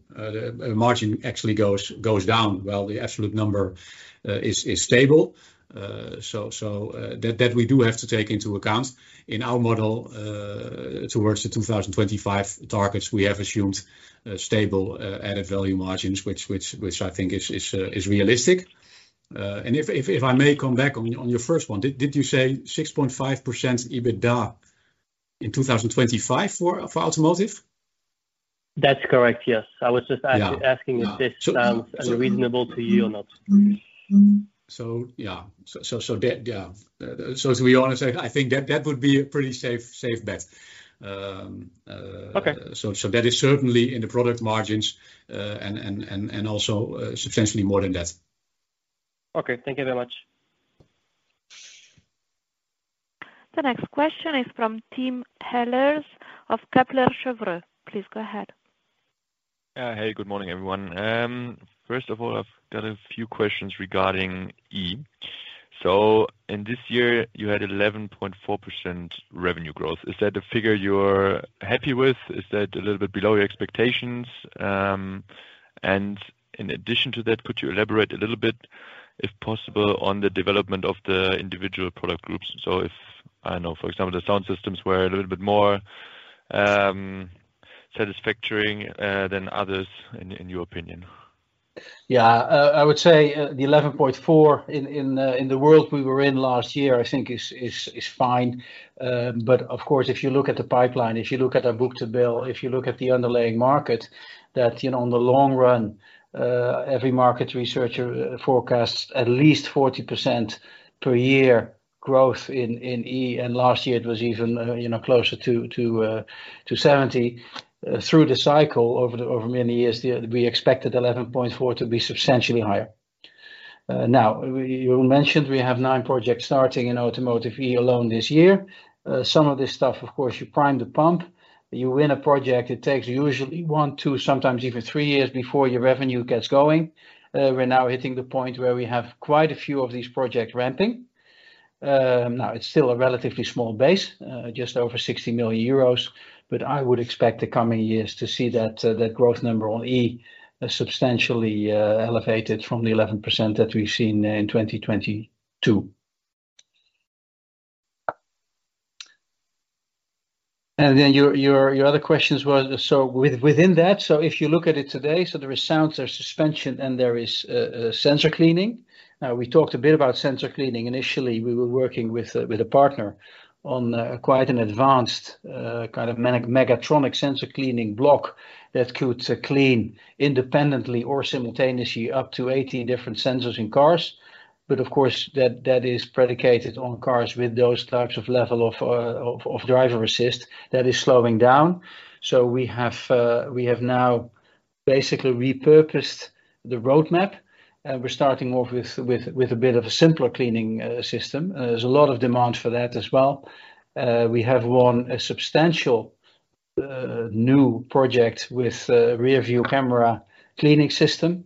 Speaker 2: margin actually goes down, while the absolute number is stable. That we do have to take into account. In our model, towards the 2025 targets, we have assumed stable added value margins, which I think is realistic. If I may come back on your first one. Did you say 6.5% EBITDA in 2025 for automotive?
Speaker 5: That's correct, yes. I was just.
Speaker 2: Yeah. Yeah.
Speaker 5: asking if this sounds unreasonable to you or not.
Speaker 2: Yeah. So that, yeah. To be honest, I think that would be a pretty safe bet.
Speaker 5: Okay.
Speaker 2: That is certainly in the product margins, and also, substantially more than that.
Speaker 5: Okay. Thank you very much.
Speaker 3: The next question is from Tim Ehlers of Kepler Cheuvreux. Please go ahead.
Speaker 6: Yeah. Hey, good morning, everyone. First of all, I've got a few questions regarding E. In this year, you had 11.4% revenue growth. Is that a figure you're happy with? Is that a little bit below your expectations? In addition to that, could you elaborate a little bit, if possible, on the development of the individual product groups? If I know, for example, the sound systems were a little bit more satisfactory than others in your opinion.
Speaker 1: Yeah. I would say, the 11.4% in the world we were in last year, I think is fine. Of course, if you look at the pipeline, if you look at our book-to-bill, if you look at the underlying market, that, you know, in the long run, every market researcher forecasts at least 40% per year growth in Automotive E. Last year it was even, you know, closer to 70%. Through the cycle over many years, we expected 11.4% to be substantially higher. Now, Jeroen mentioned we have 9 projects starting in Automotive E alone this year. Some of this stuff, of course, you prime the pump. You win a project, it takes usually 1, 2, sometimes even 3 years before your revenue gets going. We're now hitting the point where we have quite a few of these projects ramping. Now it's still a relatively small base, just over 60 million euros, but I would expect the coming years to see that growth number on E substantially elevated from the 11% that we've seen in 2022. Your other questions was. Within that, if you look at it today, there is sound, there's suspension, and there is sensor cleaning. We talked a bit about sensor cleaning. Initially, we were working with a partner on quite an advanced kind of mechatronic sensor cleaning block that could clean independently or simultaneously up to 80 different sensors in cars. Of course that is predicated on cars with those types of level of driver assist that is slowing down. We have now basically repurposed the roadmap. We're starting off with a bit of a simpler cleaning system. There's a lot of demand for that as well. We have won a substantial new project with a rearview camera cleaning system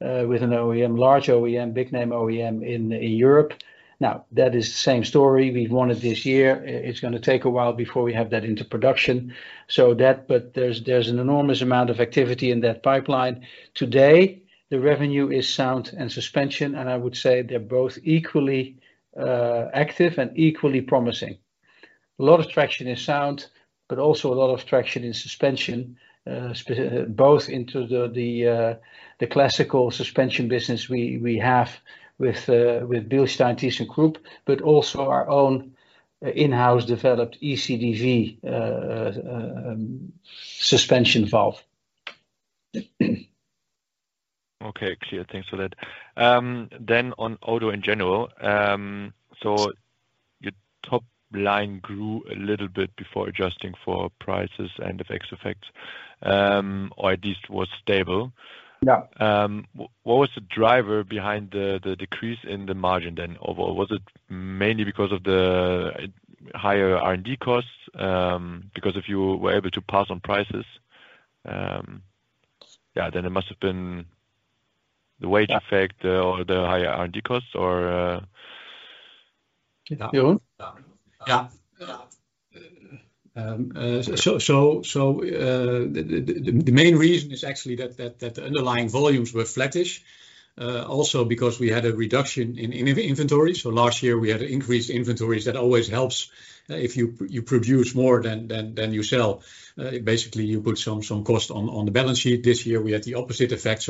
Speaker 1: with an OEM, large OEM, big name OEM in Europe. That is the same story we wanted this year. It's gonna take a while before we have that into production. There's an enormous amount of activity in that pipeline. Today, the revenue is sound and suspension, I would say they're both equally active and equally promising. A lot of traction in sound, but also a lot of traction in suspension, both into the classical suspension business we have with Bilstein thyssenkrupp, but also our own in-house developed ECDV suspension valve.
Speaker 6: Okay, clear. Thanks for that. On automotive in general, your top line grew a little bit before adjusting for prices and FX effects, or at least was stable.
Speaker 1: Yeah.
Speaker 6: What was the driver behind the decrease in the margin then overall? Was it mainly because of the higher R&D costs? If you were able to pass on prices, then it must have been the wage effect...
Speaker 1: Yeah.
Speaker 6: The higher R&D costs or...
Speaker 1: Yeah. Jeroen?
Speaker 2: Yeah. The main reason is actually that the underlying volumes were flattish, also because we had a reduction in inventory. Last year we had increased inventories. That always helps, if you produce more than you sell. Basically you put some cost on the balance sheet. This year we had the opposite effect.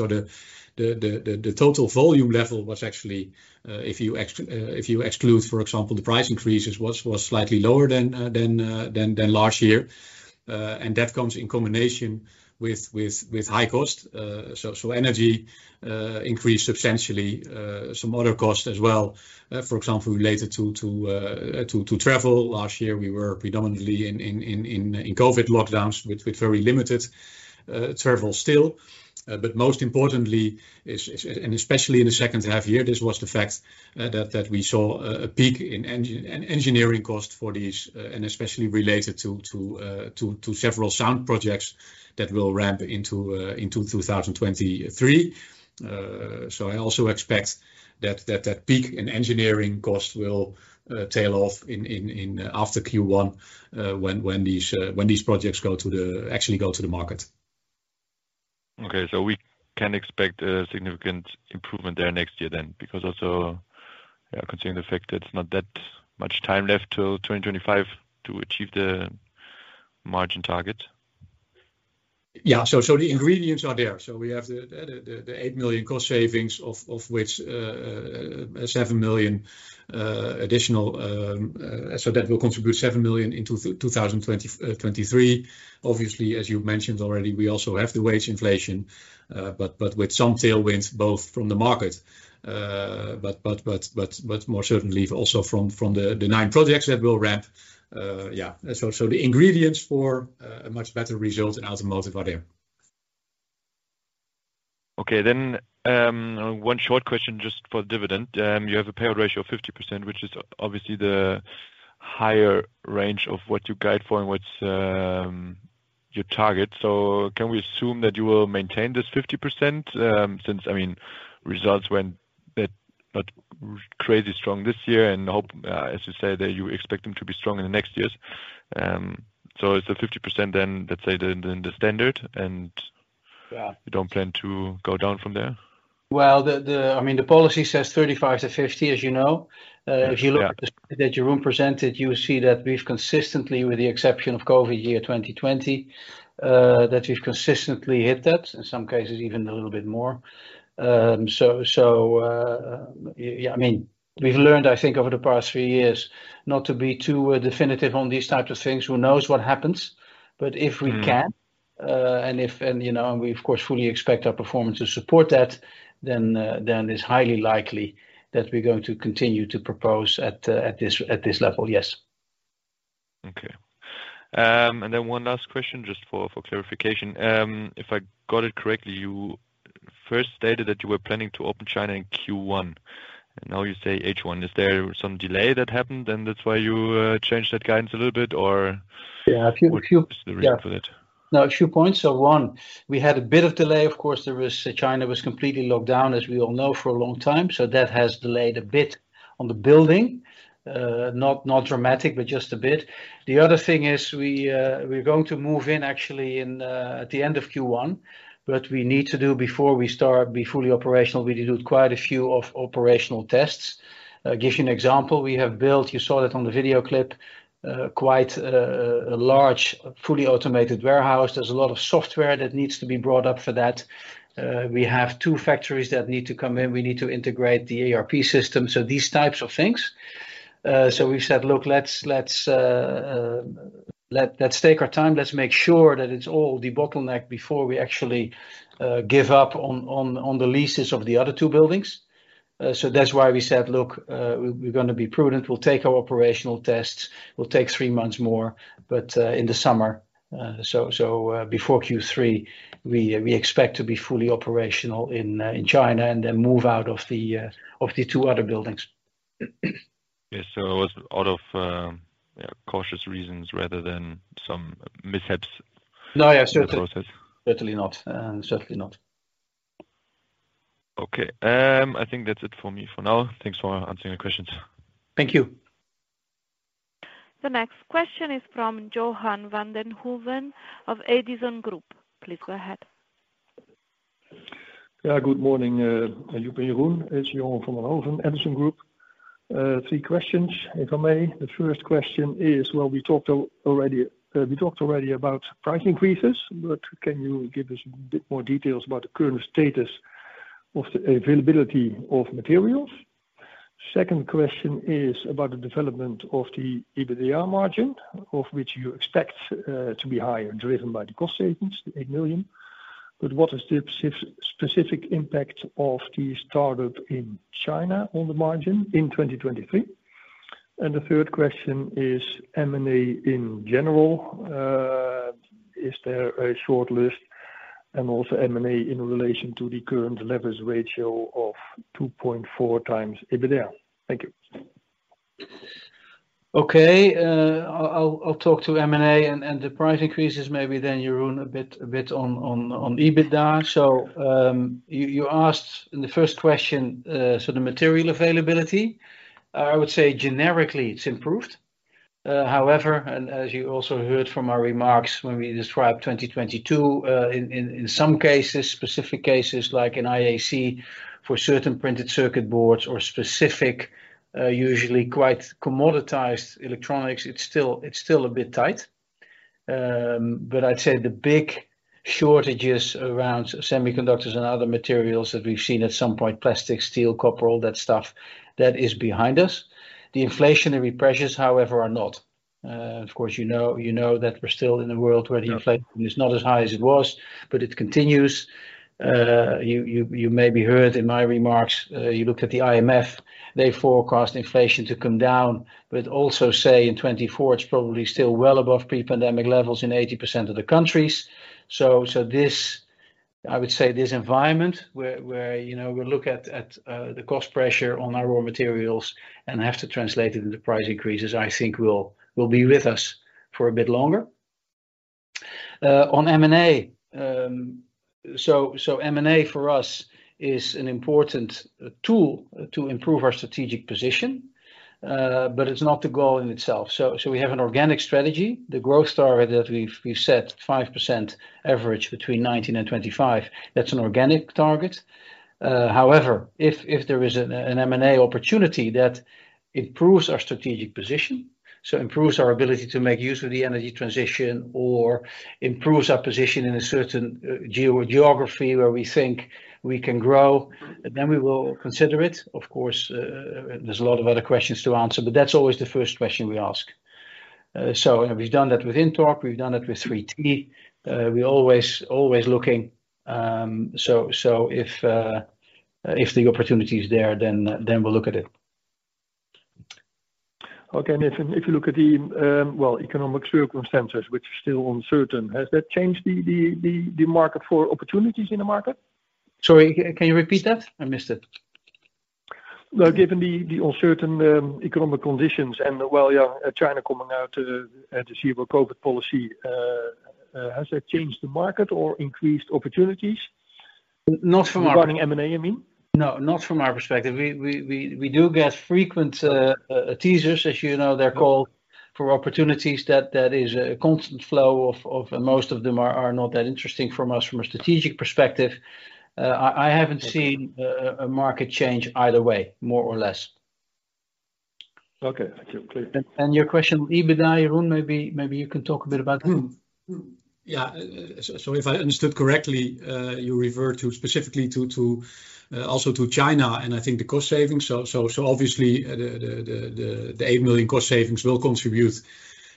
Speaker 2: The total volume level was actually, if you exclude, for example, the price increases, was slightly lower than last year. And that comes in combination with high cost. Energy increased substantially. Some other costs as well, for example, related to travel. Last year we were predominantly in COVID lockdowns with very limited travel still. Most importantly is, and especially in the second half year, this was the fact, that we saw a peak in engineering costs for these, and especially related to several sound projects that will ramp into 2023. I also expect that peak in engineering costs will tail off in after Q1, when these projects actually go to the market.
Speaker 6: Okay. We can expect a significant improvement there next year then because also, yeah, considering the fact that it's not that much time left till 2025 to achieve the margin target.
Speaker 2: The ingredients are there. We have the 8 million cost savings of which 7 million additional. That will contribute 7 million into 2023. Obviously, as you mentioned already, we also have the wage inflation, but with some tailwinds both from the market. But more certainly also from the 9 projects that will ramp. The ingredients for a much better result in automotive are there.
Speaker 6: One short question just for dividend. You have a payout ratio of 50%, which is obviously the higher range of what you guide for and what's your target? Can we assume that you will maintain this 50% since, I mean, results went bit, but crazy strong this year, and hope, as you said, that you expect them to be strong in the next years? Is the 50% then, let's say, the standard, and-?
Speaker 1: Yeah
Speaker 6: you don't plan to go down from there?
Speaker 1: Well, I mean, the policy says 35-50, as you know.
Speaker 6: Yes. Yeah.
Speaker 1: If you look at the slide that Jeroen presented, you see that we've consistently, with the exception of COVID year 2020, that we've consistently hit that, in some cases even a little bit more. So, yeah, I mean, we've learned, I think over the past few years not to be too definitive on these type of things. Who knows what happens?
Speaker 6: Mm-hmm
Speaker 1: ...and if, you know, and we of course fully expect our performance to support that, then it's highly likely that we're going to continue to propose at this level. Yes.
Speaker 6: Okay. One last question just for clarification. If I got it correctly, you first stated that you were planning to open China in Q1, and now you say H1. Is there some delay that happened, and that's why you changed that guidance a little bit?
Speaker 1: Yeah. A few.
Speaker 6: What is the reason for that?
Speaker 1: Yeah. No, a few points. One, we had a bit of delay. Of course, there was China was completely locked down, as we all know, for a long time. That has delayed a bit on the building. Not dramatic, but just a bit. The other thing is we're going to move in actually in at the end of Q1, but we need to do, before we start, be fully operational, we need to do quite a few of operational tests. Give you an example. We have built, you saw that on the video clip, quite a large fully automated warehouse. There's a lot of software that needs to be brought up for that. We have two factories that need to come in. We need to integrate the ERP system. These types of things. We've said, "Look, let's take our time. Let's make sure that it's all debottlenecked before we actually give up on the leases of the other 2 buildings. That's why we said, "Look, we're gonna be prudent. We'll take our operational tests. We'll take 3 months more, but in the summer." Before Q3, we expect to be fully operational in China, and then move out of the 2 other buildings.
Speaker 6: Yeah. It was out of, yeah, cautious reasons rather than some mishaps-
Speaker 1: No, yeah. Certainly.
Speaker 6: in the process.
Speaker 1: Certainly not. Certainly not.
Speaker 6: Okay. I think that's it for me for now. Thanks for answering the questions.
Speaker 1: Thank you.
Speaker 3: The next question is from Johan van den Hooven of Edison Group. Please go ahead.
Speaker 7: Yeah, good morning, Jeroen. It's Johan van den Hooven, Edison Group. Three questions, if I may. The first question is. Well, we talked already about price increases, but can you give us a bit more details about the current status of the availability of materials? Second question is about the development of the EBITDA margin, of which you expect to be higher, driven by the cost savings, the 8 million. What is the specific impact of the startup in China on the margin in 2023? The third question is M&A in general. Is there a shortlist? Also M&A in relation to the current leverage ratio of 2.4 times EBITDA. Thank you.
Speaker 1: Okay. I'll talk to M&A and the price increases. Maybe, Jeroen, a bit on EBITDA. You asked in the first question, the material availability. I would say generically it's improved. However, as you also heard from our remarks when we described 2022, in some cases, specific cases, like in IAC, for certain printed circuit boards or specific, usually quite commoditized electronics, it's still a bit tight. I'd say the big shortages around semiconductors and other materials that we've seen at some point, plastic, steel, copper, all that stuff, that is behind us. The inflationary pressures, however, are not. Of course, you know that we're still in a world where the inflation is not as high as it was, it continues. You maybe heard in my remarks, you look at the IMF, they forecast inflation to come down, also say in 2024 it's probably still well above pre-pandemic levels in 80% of the countries. This environment where, you know, we look at the cost pressure on our raw materials and have to translate it into price increases, I think will be with us for a bit longer. On M&A, M&A for us is an important tool to improve our strategic position, it's not the goal in itself. We have an organic strategy. The growth target that we've set, 5% average between 2019 and 2025, that's an organic target. However, if there is an M&A opportunity that improves our strategic position, so improves our ability to make use of the energy transition or improves our position in a certain geography where we think we can grow, then we will consider it. Of course, there's a lot of other questions to answer, but that's always the first question we ask. We've done that with INTORQ, we've done that with 3T. We always looking. If the opportunity is there, then we'll look at it.
Speaker 7: Okay. If you look at the, well, economic circumstances, which are still uncertain, has that changed the market for opportunities in the market?
Speaker 1: Sorry, can you repeat that? I missed it.
Speaker 7: Given the uncertain economic conditions and, well, China coming out of the zero COVID policy, has that changed the market or increased opportunities?
Speaker 1: Not from our-
Speaker 7: Regarding M&A, you mean?
Speaker 1: No, not from our perspective. We do get frequent teasers, as you know they're called, for opportunities. That is a constant flow of. Most of them are not that interesting from us from a strategic perspective. I haven't seen a market change either way, more or less.
Speaker 7: Okay. Thank you. Clear.
Speaker 1: Your question, EBITDA, Jeroen, maybe you can talk a bit about that.
Speaker 2: If I understood correctly, you refer to specifically to also to China, and I think the cost savings. Obviously, the 8 million cost savings will contribute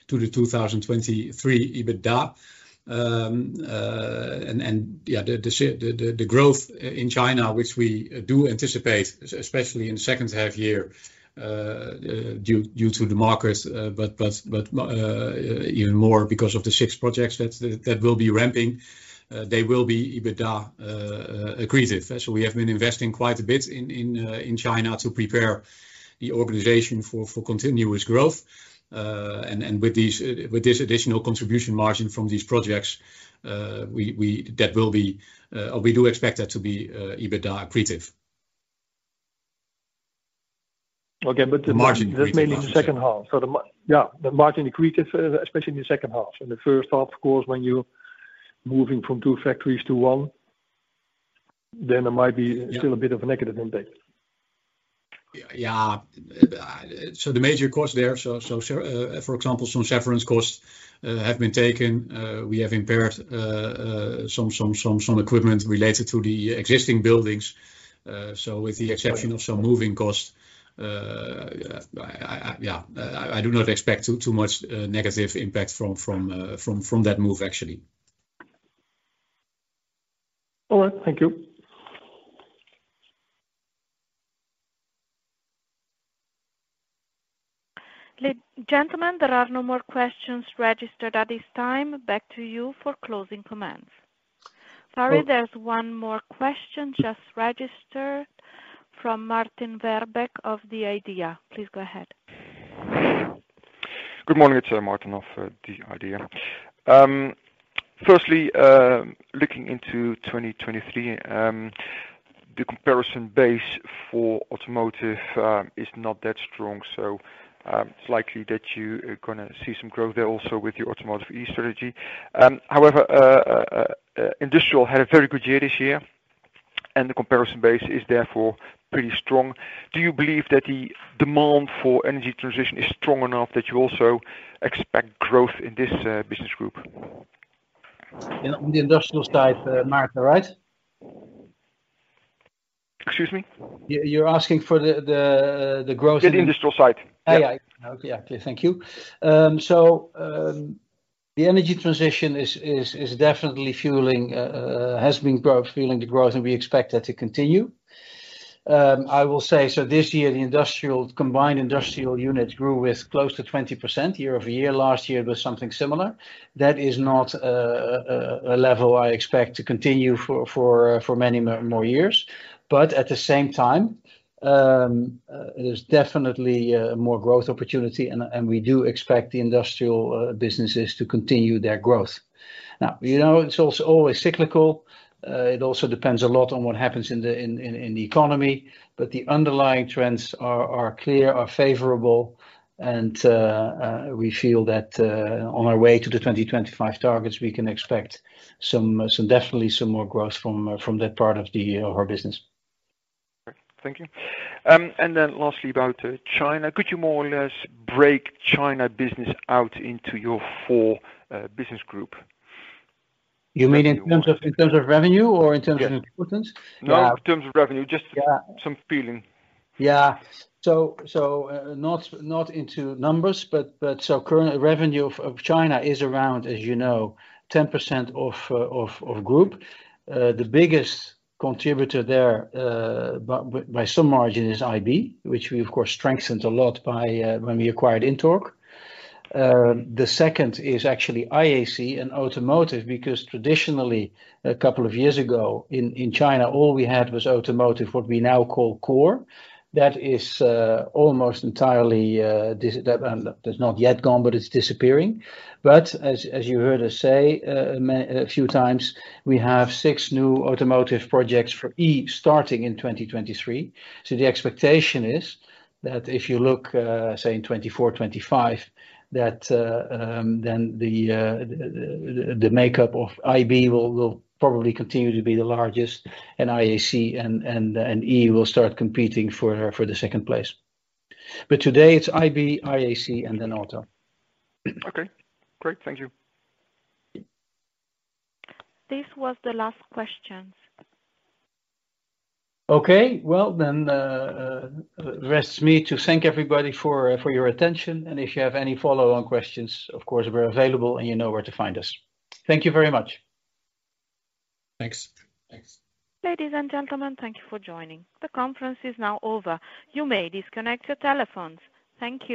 Speaker 2: to the 2023 EBITDA. Yeah, the growth in China, which we do anticipate, especially in the second half year, due to the markets, but even more because of the 6 projects that will be ramping, they will be EBITDA accretive. We have been investing quite a bit in China to prepare the organization for continuous growth. With this additional contribution margin from these projects, we that will be. We do expect that to be EBITDA accretive.
Speaker 7: Okay.
Speaker 2: Margin accretive
Speaker 7: that's mainly in the second half. Yeah, the margin accretive, especially in the second half. In the first half, of course, when you're moving from two factories to one, there might be.
Speaker 2: Yeah...
Speaker 7: still a bit of a negative impact.
Speaker 2: Yeah. The major costs there, so, for example, some severance costs, have been taken. We have impaired, some equipment related to the existing buildings. With the exception of some moving costs, yeah, I do not expect too much negative impact from that move, actually.
Speaker 7: All right. Thank you.
Speaker 3: gentlemen, there are no more questions registered at this time. Back to you for closing comments. Sorry, there's one more question just registered from Maarten Verbeek of the IDEA!. Please go ahead.
Speaker 8: Good morning. It's Maarten of The IDEA!. Firstly, looking into 2023, the comparison base for automotive is not that strong, so it's likely that you are gonna see some growth there also with your Automotive E strategy. However, industrial had a very good year this year, and the comparison base is therefore pretty strong. Do you believe that the demand for energy transition is strong enough that you also expect growth in this business group?
Speaker 1: In the industrial side, Maarten, right?
Speaker 8: Excuse me?
Speaker 1: You're asking for the growth.
Speaker 8: The industrial side.
Speaker 1: Yeah. Okay. Yeah. Okay. Thank you. The energy transition is definitely fueling the growth, and we expect that to continue. I will say, so this year, the combined industrial unit grew with close to 20% year-over-year. Last year, it was something similar. That is not a level I expect to continue for many more years. At the same time, there's definitely more growth opportunity and we do expect the industrial businesses to continue their growth. Now, you know, it's also always cyclical. It also depends a lot on what happens in the economy. The underlying trends are clear, are favorable, and we feel that on our way to the 2025 targets, we can expect some definitely some more growth from that part of our business.
Speaker 8: Okay. Thank you. lastly, about China, could you more or less break China business out into your four business group?
Speaker 1: You mean in terms of revenue or in terms of importance?
Speaker 8: No, in terms of revenue.
Speaker 1: Yeah.
Speaker 8: some feeling.
Speaker 1: Yeah. Current revenue of China is around, as you know, 10% of group. The biggest contributor there by some margin is IB, which we, of course, strengthened a lot when we acquired INTORQ. The second is actually IAC and Automotive Core because traditionally, a couple of years ago in China, all we had was Automotive Core. That is almost entirely that's not yet gone, but it's disappearing. As you heard us say a few times, we have 6 new automotive projects for E starting in 2023. The expectation is that if you look, say in 2024, 2025, that then the makeup of IB will probably continue to be the largest, and IAC and E will start competing for the second place. Today it's IB, IAC, and then Auto.
Speaker 8: Okay. Great. Thank you.
Speaker 3: This was the last question.
Speaker 1: Okay. Well, then, rests me to thank everybody for your attention. If you have any follow-on questions, of course, we're available and you know where to find us. Thank you very much.
Speaker 2: Thanks.
Speaker 1: Thanks
Speaker 3: Ladies and gentlemen, thank you for joining. The conference is now over. You may disconnect your telephones. Thank you.